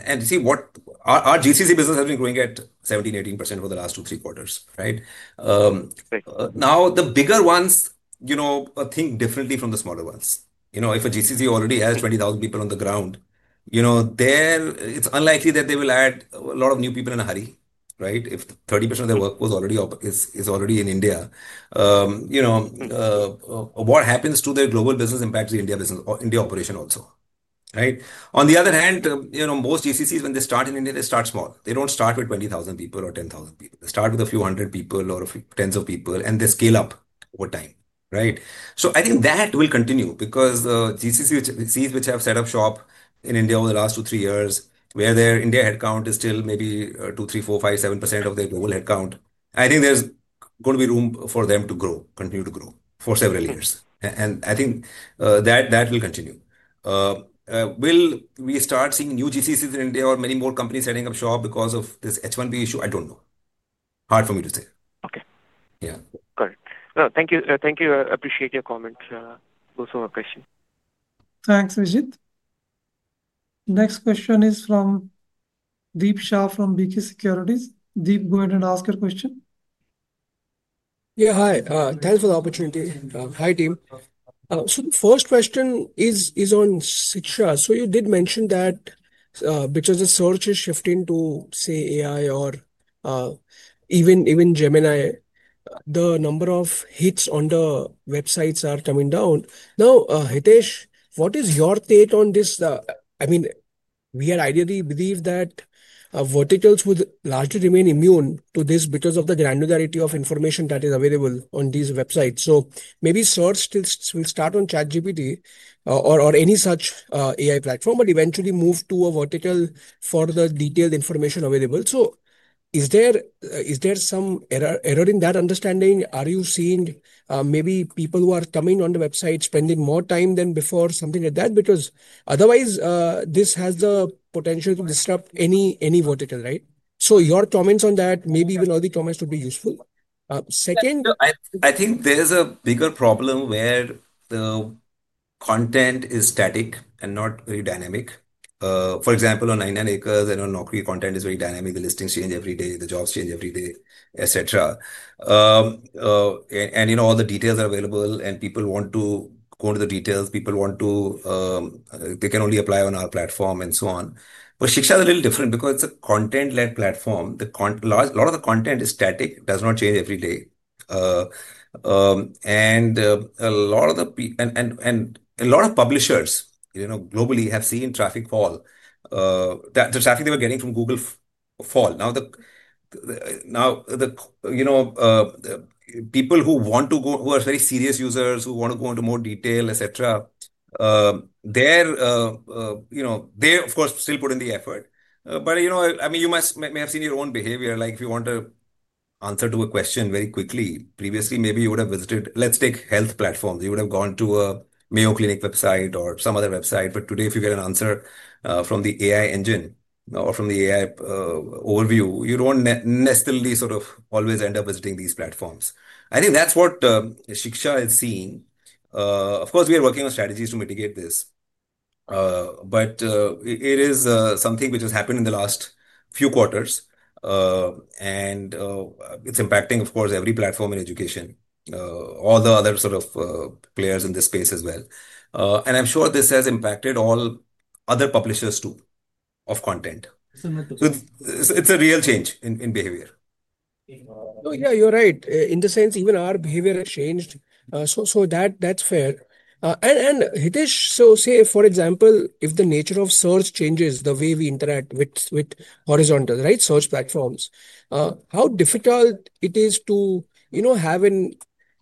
and see, what our GCC business has been growing at 17%-18% over the last two-three quarters, right? Now, the bigger ones think differently from the smaller ones. If a GCC already has 20,000 people on the ground, it's unlikely that they will add a lot of new people in a hurry, right? If 30% of their workforce is already in India, what happens to their global business impacts the India operation also, right? On the other hand, most GCCs, when they start in India, they start small. They do not start with 20,000 people or 10,000 people. They start with a few hundred people or tens of people, and they scale up over time, right? I think that will continue because GCCs which have set up shop in India over the last two, three years, where their India headcount is still maybe 2%, 3%, 4%, 5%, 7% of their global headcount, I think there is going to be room for them to grow, continue to grow for several years. I think that will continue. Will we start seeing new GCCs in India or many more companies setting up shop because of this H1B issue? I do not know. Hard for me to say. Okay. Yeah. Got it. No, thank you. I appreciate your comments. Those were my questions. Thanks, Vijit. Next question is from Deep Shah from BK Securities. Deep, go ahead and ask your question. Yeah, hi. Thanks for the opportunity. Hi, team. The first question is on Shiksha. You did mention that because the search is shifting to, say, AI or even Gemini, the number of hits on the websites are coming down. Now, Hitesh, what is your take on this? I mean, we ideally believe that verticals would largely remain immune to this because of the granularity of information that is available on these websites. Maybe search will start on ChatGPT or any such AI platform, but eventually move to a vertical for the detailed information available. Is there some error in that understanding? Are you seeing maybe people who are coming on the website spending more time than before, something like that? Because otherwise, this has the potential to disrupt any vertical, right? Your comments on that, maybe even other comments would be useful. Second. I think there's a bigger problem where the content is static and not very dynamic. For example, on 99acres and on Naukri, content is very dynamic. The listings change every day. The jobs change every day, etc. All the details are available, and people want to go into the details. People want to, they can only apply on our platform and so on. Shiksha is a little different because it's a content-led platform. A lot of the content is static, does not change every day. A lot of publishers globally have seen traffic fall. The traffic they were getting from Google fall. Now, the people who want to go, who are very serious users who want to go into more detail, etc., they're, of course, still putting the effort. I mean, you may have seen your own behavior. Like if you want to answer to a question very quickly, previously, maybe you would have visited, let's take health platforms. You would have gone to a Mayo Clinic website or some other website. Today, if you get an answer from the AI engine or from the AI overview, you do not necessarily sort of always end up visiting these platforms. I think that is what Shiksha is seeing. Of course, we are working on strategies to mitigate this. It is something which has happened in the last few quarters. It is impacting, of course, every platform in education, all the other sort of players in this space as well. I am sure this has impacted all other publishers too of content. It is a real change in behavior. Yeah, you are right. In the sense, even our behavior has changed. That is fair. Hitesh, for example, if the nature of search changes the way we interact with horizontal search platforms, how difficult is it to have an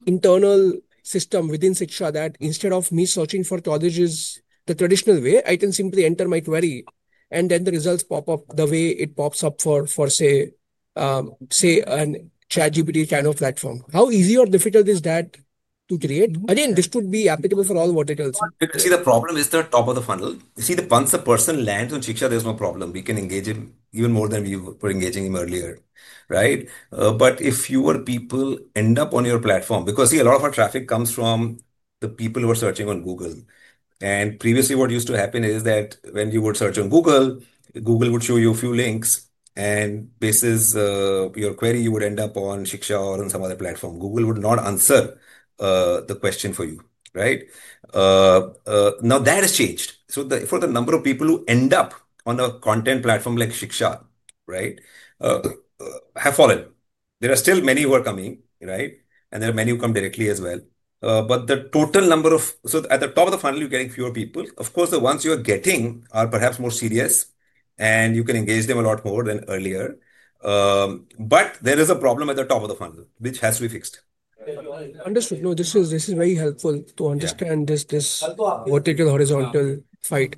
internal system within Shiksha that instead of me searching for colleges the traditional way, I can simply enter my query and then the results pop up the way it pops up for, say, a ChatGPT kind of platform? How easy or difficult is that to create? Again, this would be applicable for all verticals. See, the problem is the top of the funnel. You see, once a person lands on Shiksha, there is no problem. We can engage him even more than we were engaging him earlier, right? If fewer people end up on your platform, because a lot of our traffic comes from the people who are searching on Google. Previously, what used to happen is that when you would search on Google, Google would show you a few links, and based on your query, you would end up on Shiksha or on some other platform. Google would not answer the question for you, right? Now, that has changed. For the number of people who end up on a content platform like Shiksha, right, have fallen. There are still many who are coming, right? There are many who come directly as well. The total number of, at the top of the funnel, you're getting fewer people. Of course, the ones you are getting are perhaps more serious, and you can engage them a lot more than earlier. There is a problem at the top of the funnel, which has to be fixed. Understood. No, this is very helpful to understand this vertical horizontal fight.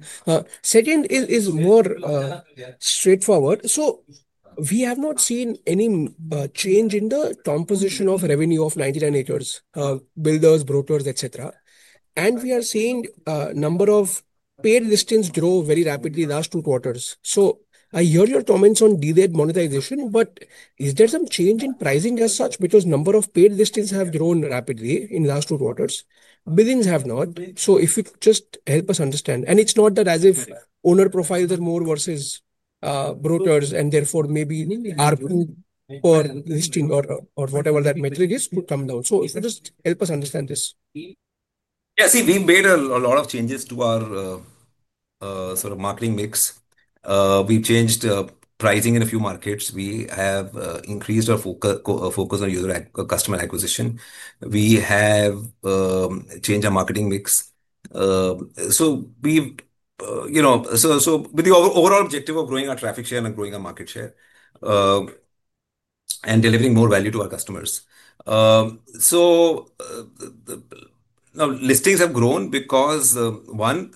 Second is more straightforward. We have not seen any change in the composition of revenue of 99acres.com builders, brokers, etc. We are seeing the number of paid listings grow very rapidly in the last two quarters. I hear your comments on DVED monetization, but is there some change in pricing as such? The number of paid listings has grown rapidly in the last two quarters. Billings have not. If you could just help us understand. It is not that as if owner profiles are more versus brokers, and therefore maybe RP or listing or whatever that metric is could come down. Just help us understand this. Yeah, see, we have made a lot of changes to our sort of marketing mix. We have changed pricing in a few markets. We have increased our focus on customer acquisition. We have changed our marketing mix. With the overall objective of growing our traffic share and growing our market share and delivering more value to our customers. Now listings have grown because, one,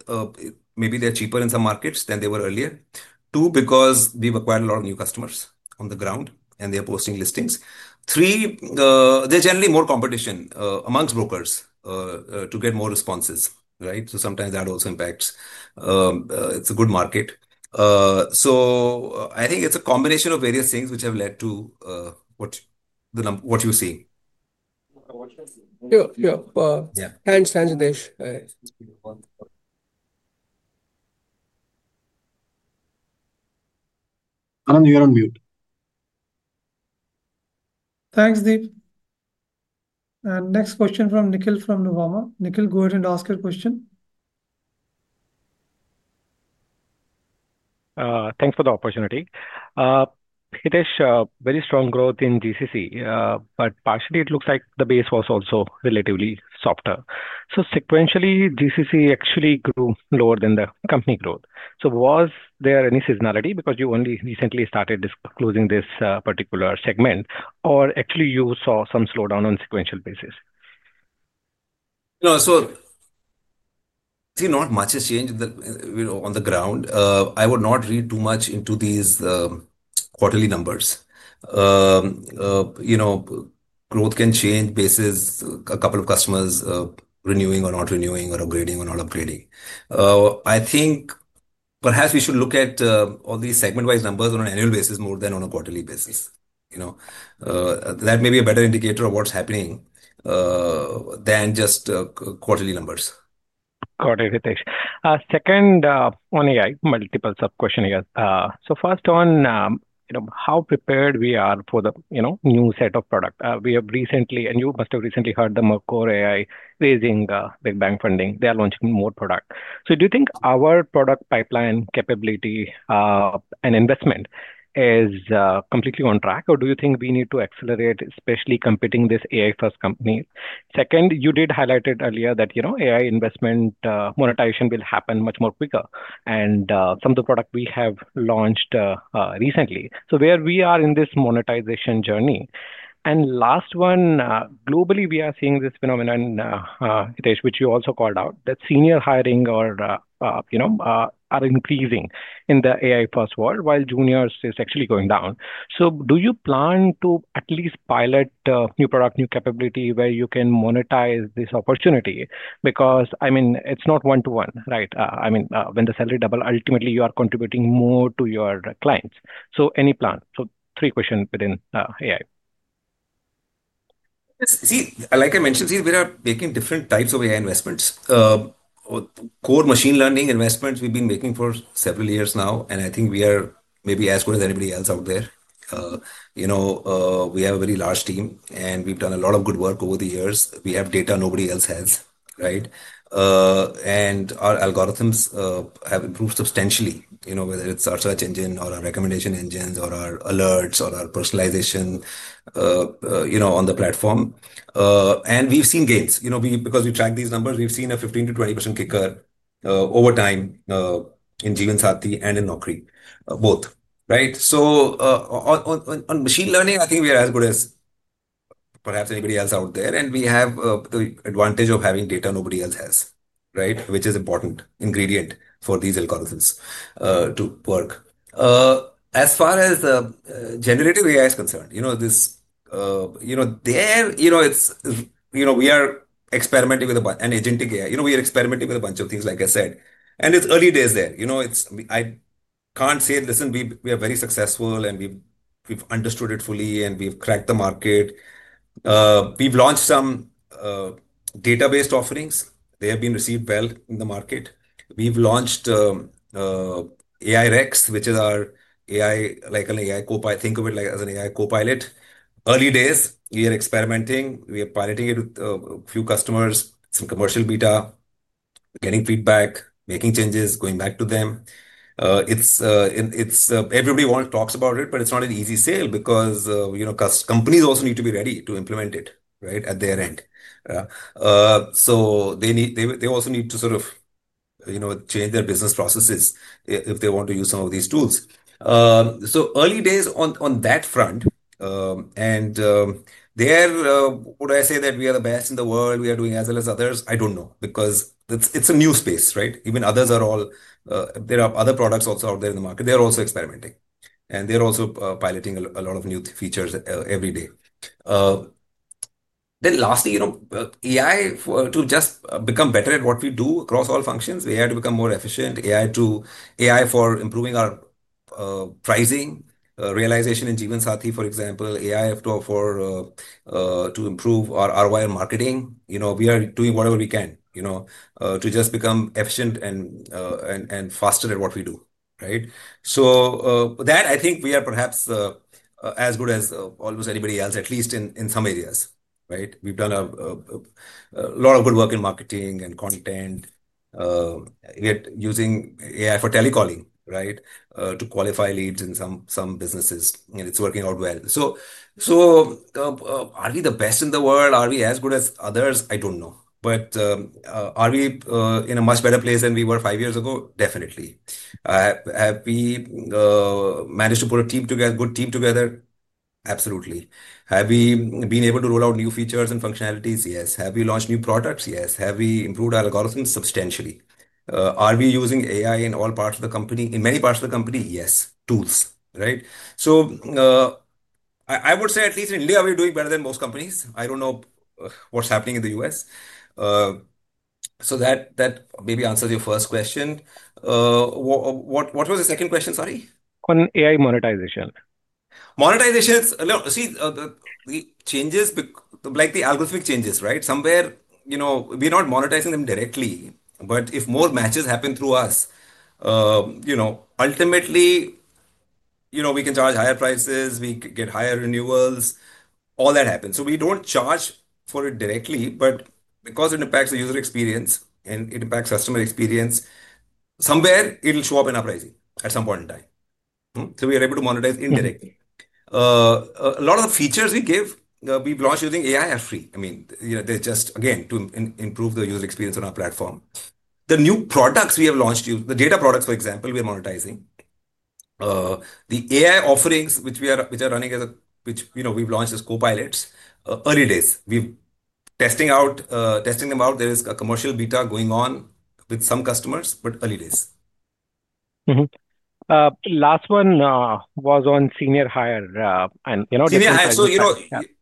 maybe they're cheaper in some markets than they were earlier. Two, because we've acquired a lot of new customers on the ground, and they are posting listings. Three, there's generally more competition amongst brokers to get more responses, right? Sometimes that also impacts. It's a good market. I think it's a combination of various things which have led to what you're seeing. Yeah. Thanks, Hitesh. Anand, you're on mute. Thanks, Deep. Next question from Nikhil from Nuvama. Nikhil, go ahead and ask your question. Thanks for the opportunity. Hitesh, very strong growth in GCC, but partially it looks like the base was also relatively softer. Sequentially, GCC actually grew lower than the company growth. Was there any seasonality because you only recently started closing this particular segment, or actually you saw some slowdown on a sequential basis? See, not much has changed on the ground. I would not read too much into these quarterly numbers. Growth can change basis a couple of customers renewing or not renewing or upgrading or not upgrading. I think perhaps we should look at all these segment-wise numbers on an annual basis more than on a quarterly basis. That may be a better indicator of what is happening than just quarterly numbers. Got it, Hitesh. Second, on AI, multiple sub-questions here. First, on how prepared we are for the new set of product. We have recently, and you must have recently heard the Merkor AI raising big bank funding. They are launching more product. Do you think our product pipeline capability and investment is completely on track, or do you think we need to accelerate, especially competing with this AI-first company? Second, you did highlight it earlier that AI investment monetization will happen much more quickly and some of the products we have launched recently. Where are we in this monetization journey? Last one, globally, we are seeing this phenomenon, Hitesh, which you also called out, that senior hiring is increasing in the AI-first world while juniors is actually going down. Do you plan to at least pilot new product, new capability where you can monetize this opportunity? Because, I mean, it's not one-to-one, right? I mean, when the salary doubles, ultimately, you are contributing more to your clients. Any plan? Three questions within AI. See, like I mentioned, we are making different types of AI investments. Core machine learning investments we've been making for several years now, and I think we are maybe as good as anybody else out there. We have a very large team, and we've done a lot of good work over the years. We have data nobody else has, right? And our algorithms have improved substantially, whether it's our search engine or our recommendation engines or our alerts or our personalization on the platform. We've seen gains. Because we track these numbers, we've seen a 15%-20% kicker over time in Jeevansathi and in Naukri, or both, right? On machine learning, I think we are as good as perhaps anybody else out there. We have the advantage of having data nobody else has, right? Which is an important ingredient for these algorithms to work. As far as generative AI is concerned, there, we are experimenting with an agentic AI. We are experimenting with a bunch of things, like I said. It is early days there. I can't say, listen, we are very successful, and we've understood it fully, and we've cracked the market. We've launched some database offerings. They have been received well in the market. We've launched AI Rex, which is our AI, like an AI Copilot. Think of it as an AI Copilot. Early days, we are experimenting. We are piloting it with a few customers, some commercial beta, getting feedback, making changes, going back to them. Everybody talks about it, but it's not an easy sale because companies also need to be ready to implement it at their end. They also need to sort of change their business processes if they want to use some of these tools. Early days on that front. Would I say that we are the best in the world? Are we doing as well as others? I do not know because it is a new space, right? Even others are all, there are other products also out there in the market. They are also experimenting, and they are also piloting a lot of new features every day. Lastly, AI to just become better at what we do across all functions. We have to become more efficient. AI for improving our pricing, realization in Jeevansathi.com, for example. AI to improve our ROI on marketing. We are doing whatever we can to just become efficient and faster at what we do, right? I think we are perhaps as good as almost anybody else, at least in some areas, right? We have done a lot of good work in marketing and content. We're using AI for telecalling, right, to qualify leads in some businesses. And it's working out well. Are we the best in the world? Are we as good as others? I don't know. Are we in a much better place than we were five years ago? Definitely. Have we managed to put a good team together? Absolutely. Have we been able to roll out new features and functionalities? Yes. Have we launched new products? Yes. Have we improved our algorithms substantially? Are we using AI in many parts of the company? Yes. Tools, right? I would say at least in India, we're doing better than most companies. I don't know what's happening in the U.S. That maybe answers your first question. What was the second question, sorry? On AI monetization. Monetization, see, the changes, like the algorithmic changes, right? Somewhere, we're not monetizing them directly. If more matches happen through us, ultimately, we can charge higher prices. We get higher renewals. All that happens. We do not charge for it directly, but because it impacts the user experience and it impacts customer experience, somewhere it will show up in our pricing at some point in time. We are able to monetize indirectly. A lot of the features we give, we have launched using AI, are free. I mean, they are just, again, to improve the user experience on our platform. The new products we have launched, the data products, for example, we are monetizing. The AI offerings, which we are running, which we have launched as copilots, early days. We are testing them out. There is a commercial beta going on with some customers, but early days. Last one was on senior hire. And senior hire, so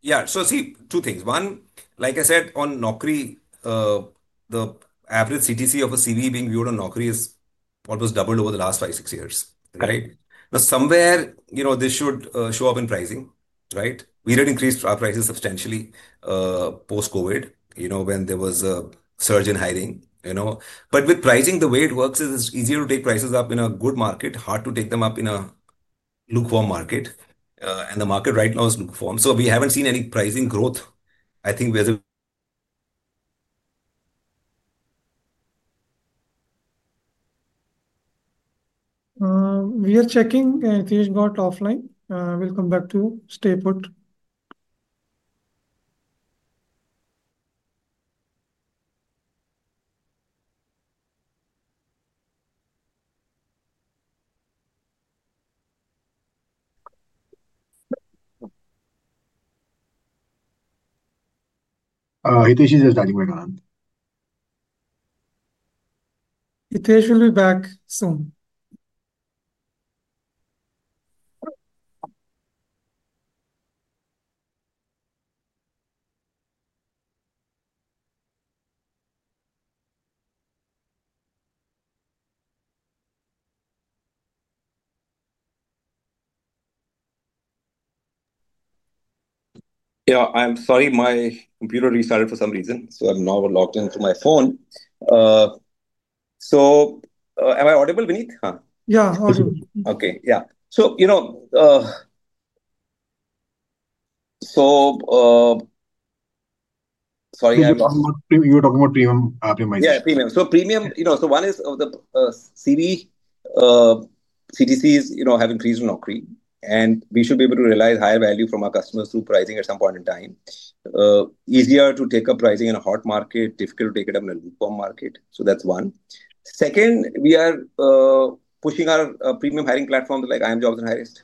yeah. See, two things. One, like I said, on Naukri, the average CTC of a CV being viewed on Naukri is almost doubled over the last five, six years, right? Now, somewhere, this should show up in pricing, right? We did increase our prices substantially post-COVID when there was a surge in hiring. With pricing, the way it works is it's easier to take prices up in a good market, hard to take them up in a lukewarm market. The market right now is lukewarm. We haven't seen any pricing growth, I think, with. We are checking. Hitesh got offline. We'll come back to you. Stay put. Hitesh is just chatting right now. Hitesh will be back soon. Yeah, I'm sorry. My computer restarted for some reason. I'm now logged into my phone. Am I audible, Vineet? Yeah, audible. Okay. Yeah. Sorry. You were talking about premium applications. Yeah, premium. So premium, so one is the CV CTCs have increased in Naukri. And we should be able to realize higher value from our customers through pricing at some point in time. Easier to take up pricing in a hot market, difficult to take it up in a lukewarm market. That's one. Second, we are pushing our premium hiring platform like IIMjobs and Hirist,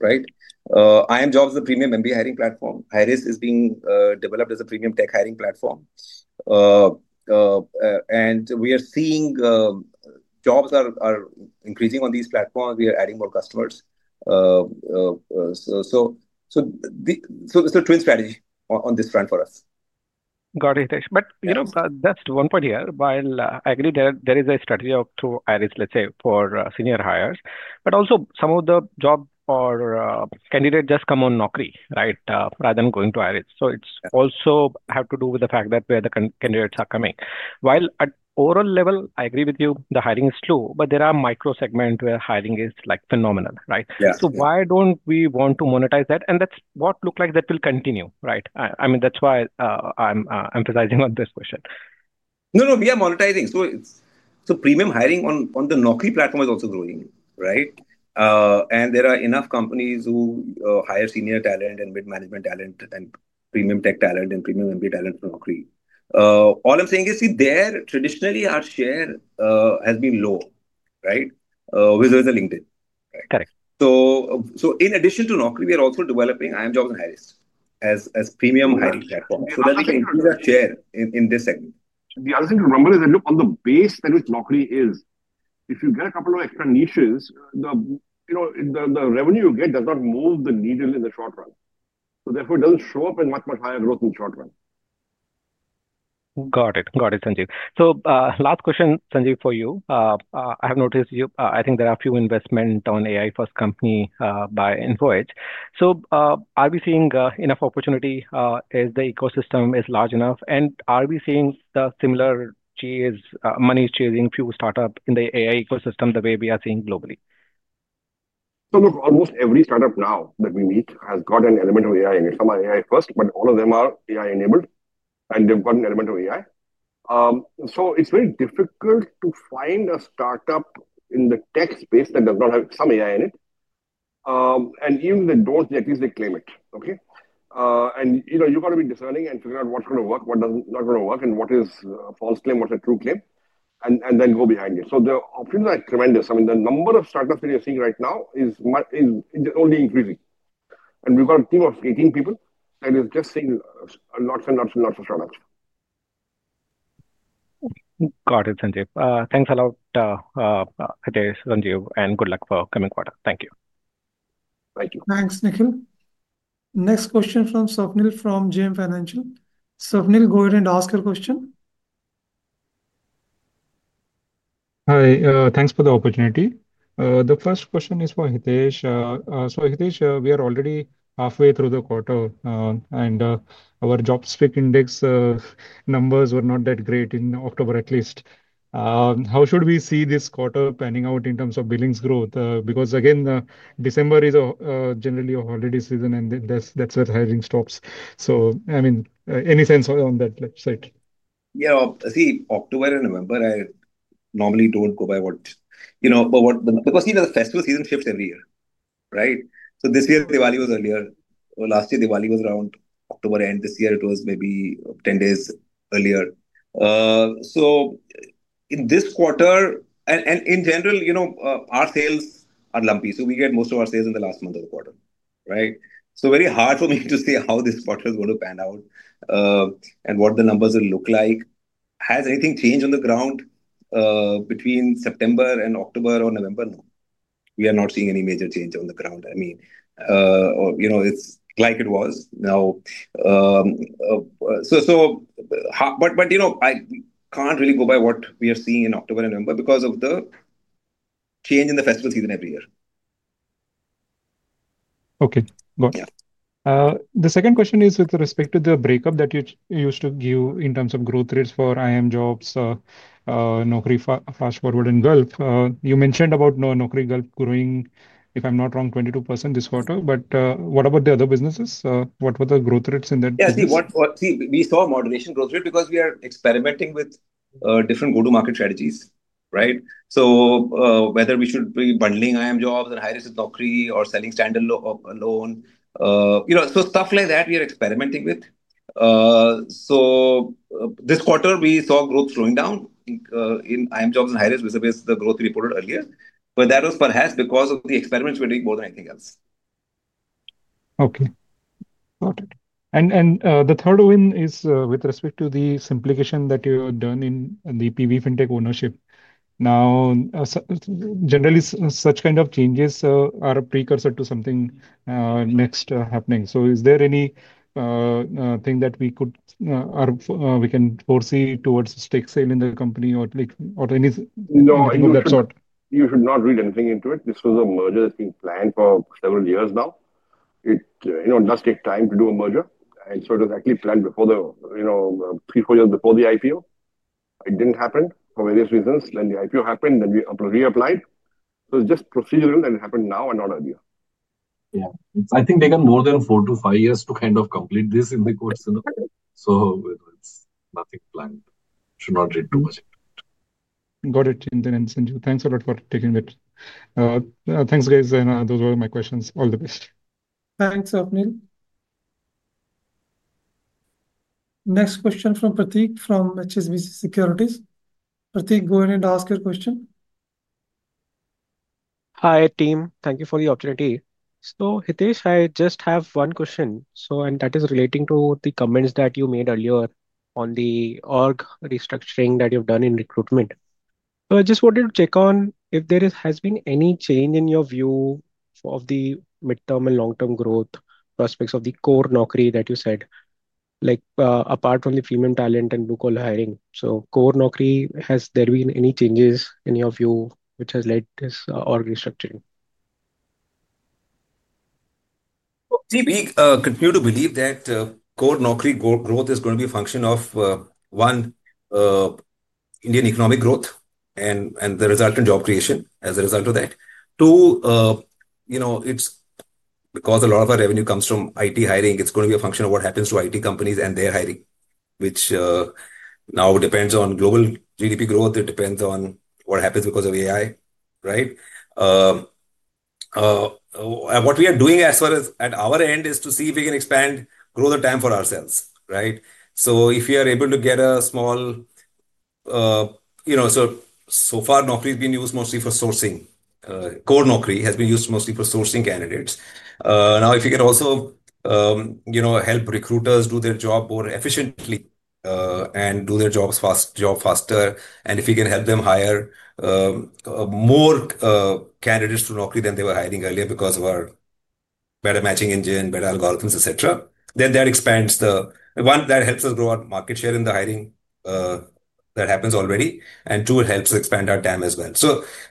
right? IIMjobs is a premium MBA hiring platform. Hirist is being developed as a premium tech hiring platform. And we are seeing jobs are increasing on these platforms. We are adding more customers. So it's a twin strategy on this front for us. Got it, Hitesh. That's one point here. While I agree there is a strategy to Hirist, let's say, for senior hires, but also some of the job or candidates just come on Naukri, right, rather than going to Hirist. So it also has to do with the fact that where the candidates are coming. While at overall level, I agree with you, the hiring is slow, but there are micro segments where hiring is phenomenal, right? Why don't we want to monetize that? That is what looks like will continue, right? I mean, that's why I'm emphasizing on this question. No, we are monetizing. Premium hiring on the Naukri platform is also growing, right? There are enough companies who hire senior talent and mid-management talent and premium tech talent and premium MBA talent from Naukri. All I'm saying is, see, there traditionally our share has been low, right? With the LinkedIn. Correct. In addition to Naukri, we are also developing IIMjobs and Hirist as premium hiring platforms so that we can increase our share in this segment. The other thing to remember is that, look, on the base that which Naukri is, if you get a couple of extra niches, the revenue you get does not move the needle in the short run. Therefore, it does not show up in much, much higher growth in the short run. Got it, Sanjeev. Last question, Sanjeev, for you. I have noticed I think there are a few investments on AI-first company by Info Edge. Are we seeing enough opportunity as the ecosystem is large enough? Are we seeing the similar money chasing few startups in the AI ecosystem the way we are seeing globally? Look, almost every startup now that we meet has got an element of AI in it. Some are AI-first, but all of them are AI-enabled, and they've got an element of AI. It's very difficult to find a startup in the tech space that does not have some AI in it. Even if they don't, at least they claim it, okay? You've got to be discerning and figure out what's going to work, what's not going to work, what is a false claim, what's a true claim, and then go behind it. The options are tremendous. I mean, the number of startups that you're seeing right now is only increasing. We've got a team of 18 people that is just seeing lots and lots and lots of startups. Got it, Sanjeev. Thanks a lot, Hitesh, Sanjeev, and good luck for the coming quarter. Thank you. Thank you. Thanks, Nikhil. Next question from Swapnil from JM Financial. Swapnil, go ahead and ask your question. Hi, thanks for the opportunity. The first question is for Hitesh. So Hitesh, we are already halfway through the quarter, and our jobs pick index numbers were not that great in October, at least. How should we see this quarter panning out in terms of billings growth? Because, again, December is generally a holiday season, and that's where hiring stops. I mean, any sense on that side? Yeah, see, October and November, I normally do not go by what because the festival season shifts every year, right? This year, Diwali was earlier. Last year, Diwali was around October end. This year, it was maybe 10 days earlier. In this quarter, and in general, our sales are lumpy. We get most of our sales in the last month of the quarter, right? Very hard for me to see how this quarter is going to pan out and what the numbers will look like. Has anything changed on the ground between September and October or November? No. We are not seeing any major change on the ground. I mean, it's like it was. I can't really go by what we are seeing in October and November because of the change in the festival season every year. Okay. Got it. The second question is with respect to the breakup that you used to give in terms of growth rates for IIMjobs, Naukri Fast Forward, and Naukrigulf. You mentioned about Naukrigulf growing, if I'm not wrong, 22% this quarter. What about the other businesses? What were the growth rates in that? Yeah, see, we saw a moderation growth rate because we are experimenting with different go-to-market strategies, right? Whether we should be bundling IIMjobs and Hirist with Naukri or selling standalone. Stuff like that, we are experimenting with. This quarter, we saw growth slowing down in IIMjobs and Hirist vis-à-vis the growth we reported earlier. That was perhaps because of the experiments we're doing more than anything else. Okay. Got it. The third one is with respect to the simplification that you have done in the PB Fintech ownership. Now, generally, such kind of changes are a precursor to something next happening. Is there anything that we can foresee towards a stake sale in the company or anything of that sort? You should not read anything into it. This was a merger that's being planned for several years now. It does take time to do a merger. It was actually planned three, four years before the IPO. It did not happen for various reasons. The IPO happened, then we reapplied. It is just procedural that it happened now and not earlier. Yeah. I think they got more than four to five years to kind of complete this in the quarter. It is nothing planned. Should not read too much into it. Got it. Sanjeev, thanks a lot for taking it. Thanks, guys. Those were my questions. All the best. Thanks, Swapnil. Next question from Prateek from HSBC Securities. Prateek, go ahead and ask your question. Hi, team. Thank you for the opportunity. Hitesh, I just have one question. That is relating to the comments that you made earlier on the org restructuring that you have done in recruitment. I just wanted to check on if there has been any change in your view of the midterm and long-term growth prospects of the core Naukri that you said, apart from the premium talent and lukewarm hiring. Core Naukri, has there been any changes in your view which has led to this org restructuring? See, we continue to believe that core Naukri growth is going to be a function of, one, Indian economic growth and the resultant job creation as a result of that. Two, because a lot of our revenue comes from IT hiring, it's going to be a function of what happens to IT companies and their hiring, which now depends on global GDP growth. It depends on what happens because of AI, right? What we are doing as far as at our end is to see if we can expand, grow the TAM for ourselves, right? If we are able to get a small, so far, Naukri has been used mostly for sourcing. Core Naukri has been used mostly for sourcing candidates. Now, if you can also help recruiters do their job more efficiently and do their jobs faster, and if you can help them hire more candidates through Naukri than they were hiring earlier because of our better matching engine, better algorithms, etc., then that expands the one, that helps us grow our market share in the hiring that happens already. Two, it helps us expand our TAM as well.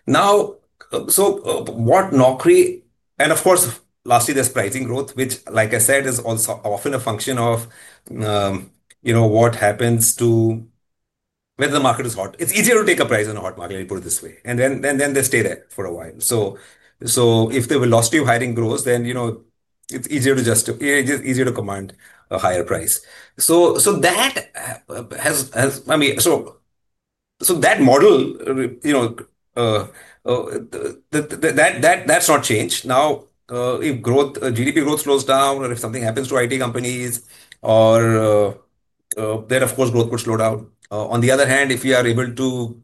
What Naukri, and of course, lastly, there is pricing growth, which, like I said, is often a function of what happens to when the market is hot. It's easier to take a price in a hot market, let me put it this way. They stay there for a while. If the velocity of hiring grows, then it's just easier to command a higher price. That has, I mean, that model, that's not changed. If GDP growth slows down or if something happens to IT companies, then of course, growth would slow down. On the other hand, if we are able to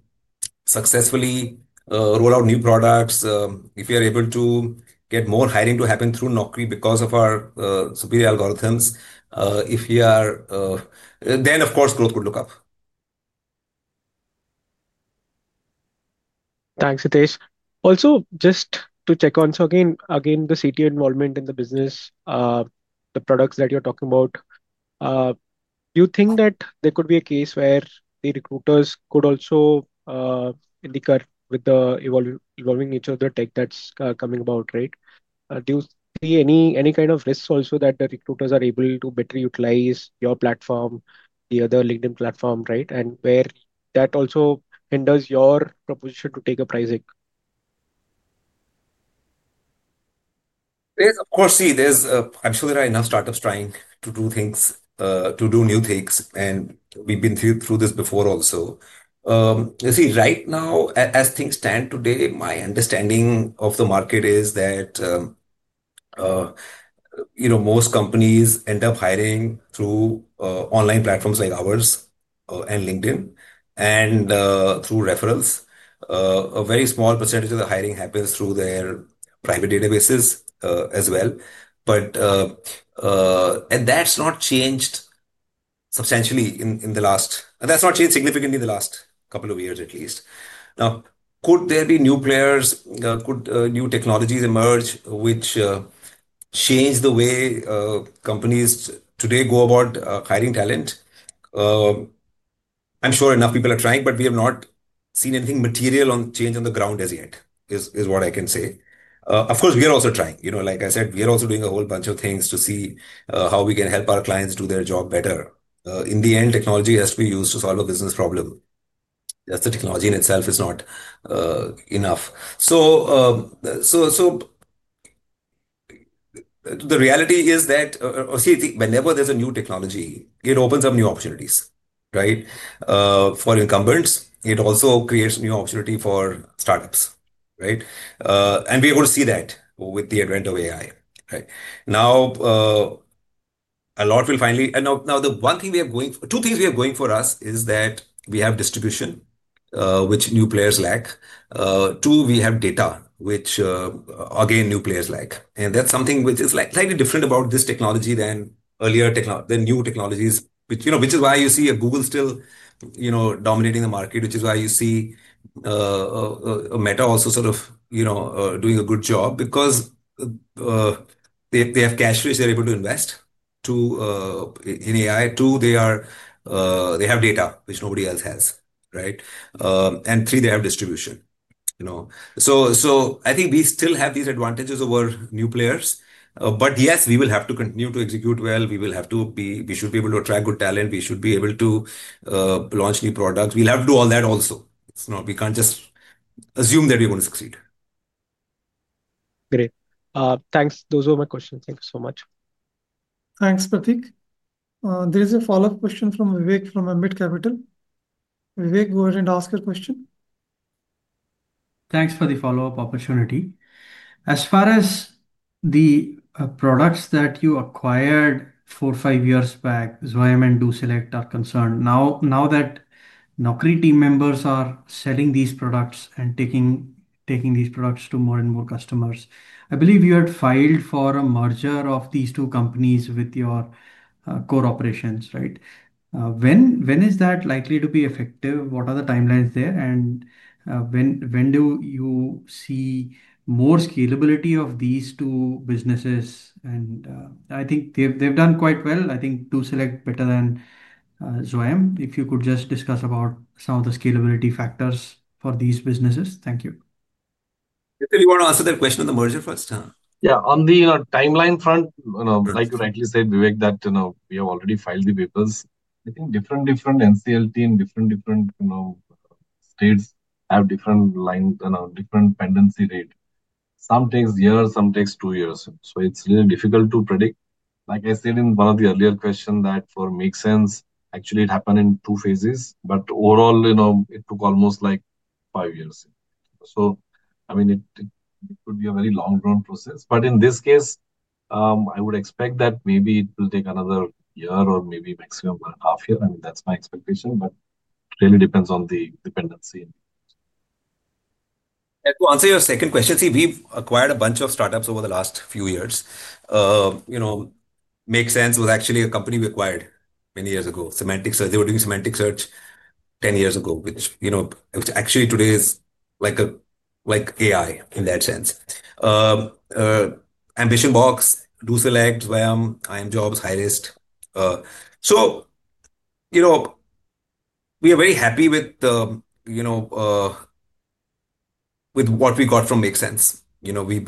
successfully roll out new products, if we are able to get more hiring to happen through Naukri because of our superior algorithms, then of course, growth would look up. Thanks, Hitesh. Also, just to check on, so again, the CTO involvement in the business, the products that you're talking about, do you think that there could be a case where the recruiters could also indicate with the evolving nature of the tech that's coming about, right? Do you see any kind of risks also that the recruiters are able to better utilize your platform, the other LinkedIn platform, right? Where that also hinders your proposition to take a price hike? Of course, see, I'm sure there are enough startups trying to do things, to do new things. We've been through this before also. See, right now, as things stand today, my understanding of the market is that most companies end up hiring through online platforms like ours and LinkedIn and through referrals. A very small percentage of the hiring happens through their private databases as well. That's not changed substantially in the last, that's not changed significantly in the last couple of years, at least. Now, could there be new players, could new technologies emerge which change the way companies today go about hiring talent? I'm sure enough people are trying, but we have not seen anything material on change on the ground as yet is what I can say. Of course, we are also trying. Like I said, we are also doing a whole bunch of things to see how we can help our clients do their job better. In the end, technology has to be used to solve a business problem. Just the technology in itself is not enough. The reality is that, see, whenever there's a new technology, it opens up new opportunities, right? For incumbents, it also creates new opportunity for startups, right? We're going to see that with the advent of AI, right? Now, a lot will finally now, the one thing we are going for, two things we are going for us is that we have distribution, which new players lack. Two, we have data, which, again, new players lack. That's something which is slightly different about this technology than earlier new technologies, which is why you see Google still dominating the market, which is why you see Meta also sort of doing a good job because they have cash flows, they're able to invest in AI. Two, they have data, which nobody else has, right? Three, they have distribution. I think we still have these advantages over new players. Yes, we will have to continue to execute well. We will have to be, we should be able to attract good talent. We should be able to launch new products. We'll have to do all that also. We can't just assume that we're going to succeed. Great. Thanks. Those were my questions. Thank you so much. Thanks, Prateek. There is a follow-up question from Vivek from AMBIT Capital. Vivek, go ahead and ask your question. Thanks for the follow-up opportunity. As far as the products that you acquired four, five years back, Zwayam and DoSelect are concerned, now that Naukri team members are selling these products and taking these products to more and more customers, I believe you had filed for a merger of these two companies with your core operations, right? When is that likely to be effective? What are the timelines there? When do you see more scalability of these two businesses? I think they've done quite well. I think DoSelect better than Zwayam. If you could just discuss about some of the scalability factors for these businesses. Thank you. Hitesh, do you want to answer that question of the merger first? like you rightly said, Vivek, that we have already filed the papers. I think different NCLT and different states have different pendency rate. Some takes years, some takes two years. So it's really difficult to predict. Like I said in one of the earlier questions, that for MakeSense, actually, it happened in two phases. But overall, it took almost like five years. I mean, it could be a very long-term process. In this case, I would expect that maybe it will take another year or maybe maximum one and a half year. I mean, that's my expectation. It really depends on the pendency. To answer your second question, see, we've acquired a bunch of startups over the last few years. MakeSense Technologies was actually a company we acquired many years ago. They were doing semantic search 10 years ago, which actually today is like AI in that sense. AmbitionBox, DoSelect, Zwayam, IIMjobs, Hirist. We are very happy with what we got from MakeSense Technologies.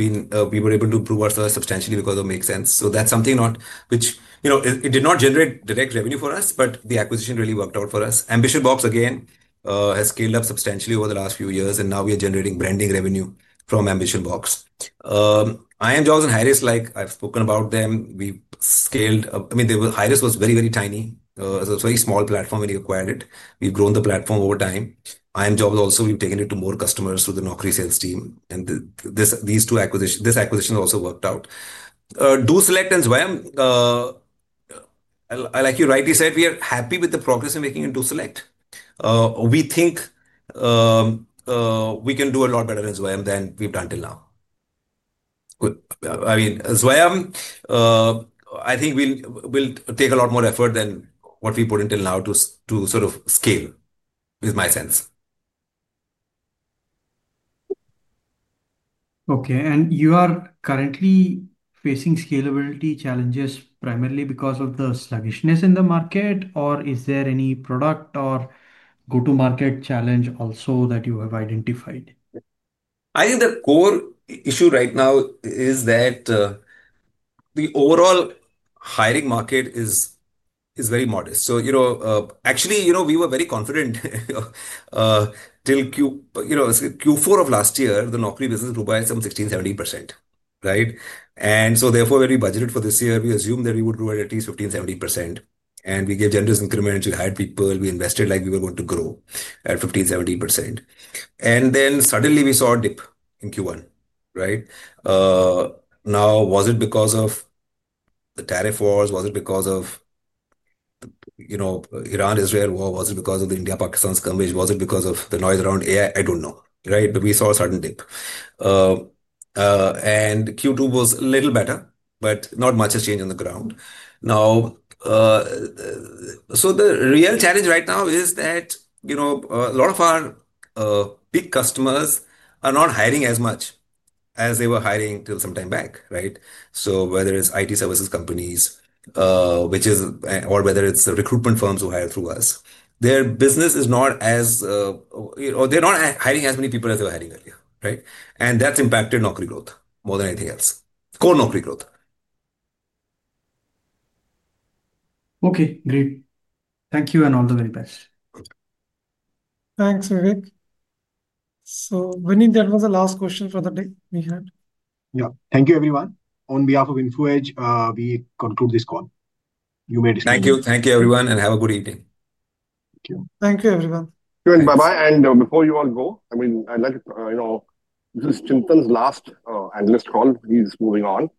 We were able to improve ourselves substantially because of MakeSense Technologies. That is something which did not generate direct revenue for us, but the acquisition really worked out for us. AmbitionBox, again, has scaled up substantially over the last few years. Now we are generating branding revenue from AmbitionBox. IIMjobs and Hirist, like I've spoken about them, we scaled. I mean, Hirist was very, very tiny. It was a very small platform when we acquired it. We've grown the platform over time. IIMjobs also, we've taken it to more customers through the Naukri sales team. This acquisition also worked out. DoSelect and Zwayam, like you rightly said, we are happy with the progress we're making in DoSelect. We think we can do a lot better in Zwayam than we've done till now. I mean, Zwayam, I think will take a lot more effort than what we put in till now to sort of scale, is my sense. Okay. You are currently facing scalability challenges primarily because of the sluggishness in the market, or is there any product or go-to-market challenge also that you have identified? I think the core issue right now is that the overall hiring market is very modest. Actually, we were very confident till Q4 of last year, the Naukri business grew by some 16-17%, right? Therefore, when we budgeted for this year, we assumed that we would grow at at least 15%-17%. We gave generous increments. We hired people. We invested like we were going to grow at 15%-17%. Suddenly, we saw a dip in Q1, right? Now, was it because of the tariff wars? Was it because of the Iran-Israel war? Was it because of the India-Pakistan skirmish? Was it because of the noise around AI? I do not know, right? We saw a sudden dip. Q2 was a little better, but not much has changed on the ground. The real challenge right now is that a lot of our big customers are not hiring as much as they were hiring till some time back, right? Whether it's IT services companies, which is, or whether it's the recruitment firms who hire through us, their business is not as they're not hiring as many people as they were hiring earlier, right? That's impacted Naukri growth more than anything else, Core Naukri growth. Okay. Great. Thank you and all the very best. Thanks, Vivek. Vinney, that was the last question for the day we had. Yeah. Thank you, everyone. On behalf of Info Edge, we conclude this call. You may disconnect. Thank you. Thank you, everyone, and have a good evening. Thank you. Thank you, everyone. Bye-bye. Before you all go, I mean, I'd like to, this is Chintan's last analyst call. He's moving on.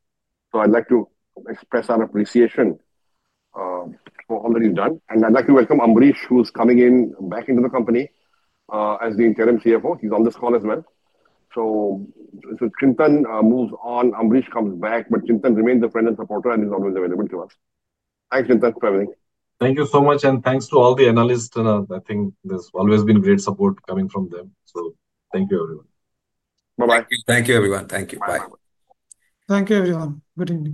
I'd like to express our appreciation for all that he's done. I'd like to welcome Amrish, who's coming in back into the company as the interim CFO. He's on this call as well. Since Chintan moves on, Amrish comes back, but Chintan remains a friend and supporter and is always available to us. Thanks, Chintan, for everything. Thank you so much. Thanks to all the analysts. I think there's always been great support coming from them. Thank you, everyone. Thank you, everyone. Good evening.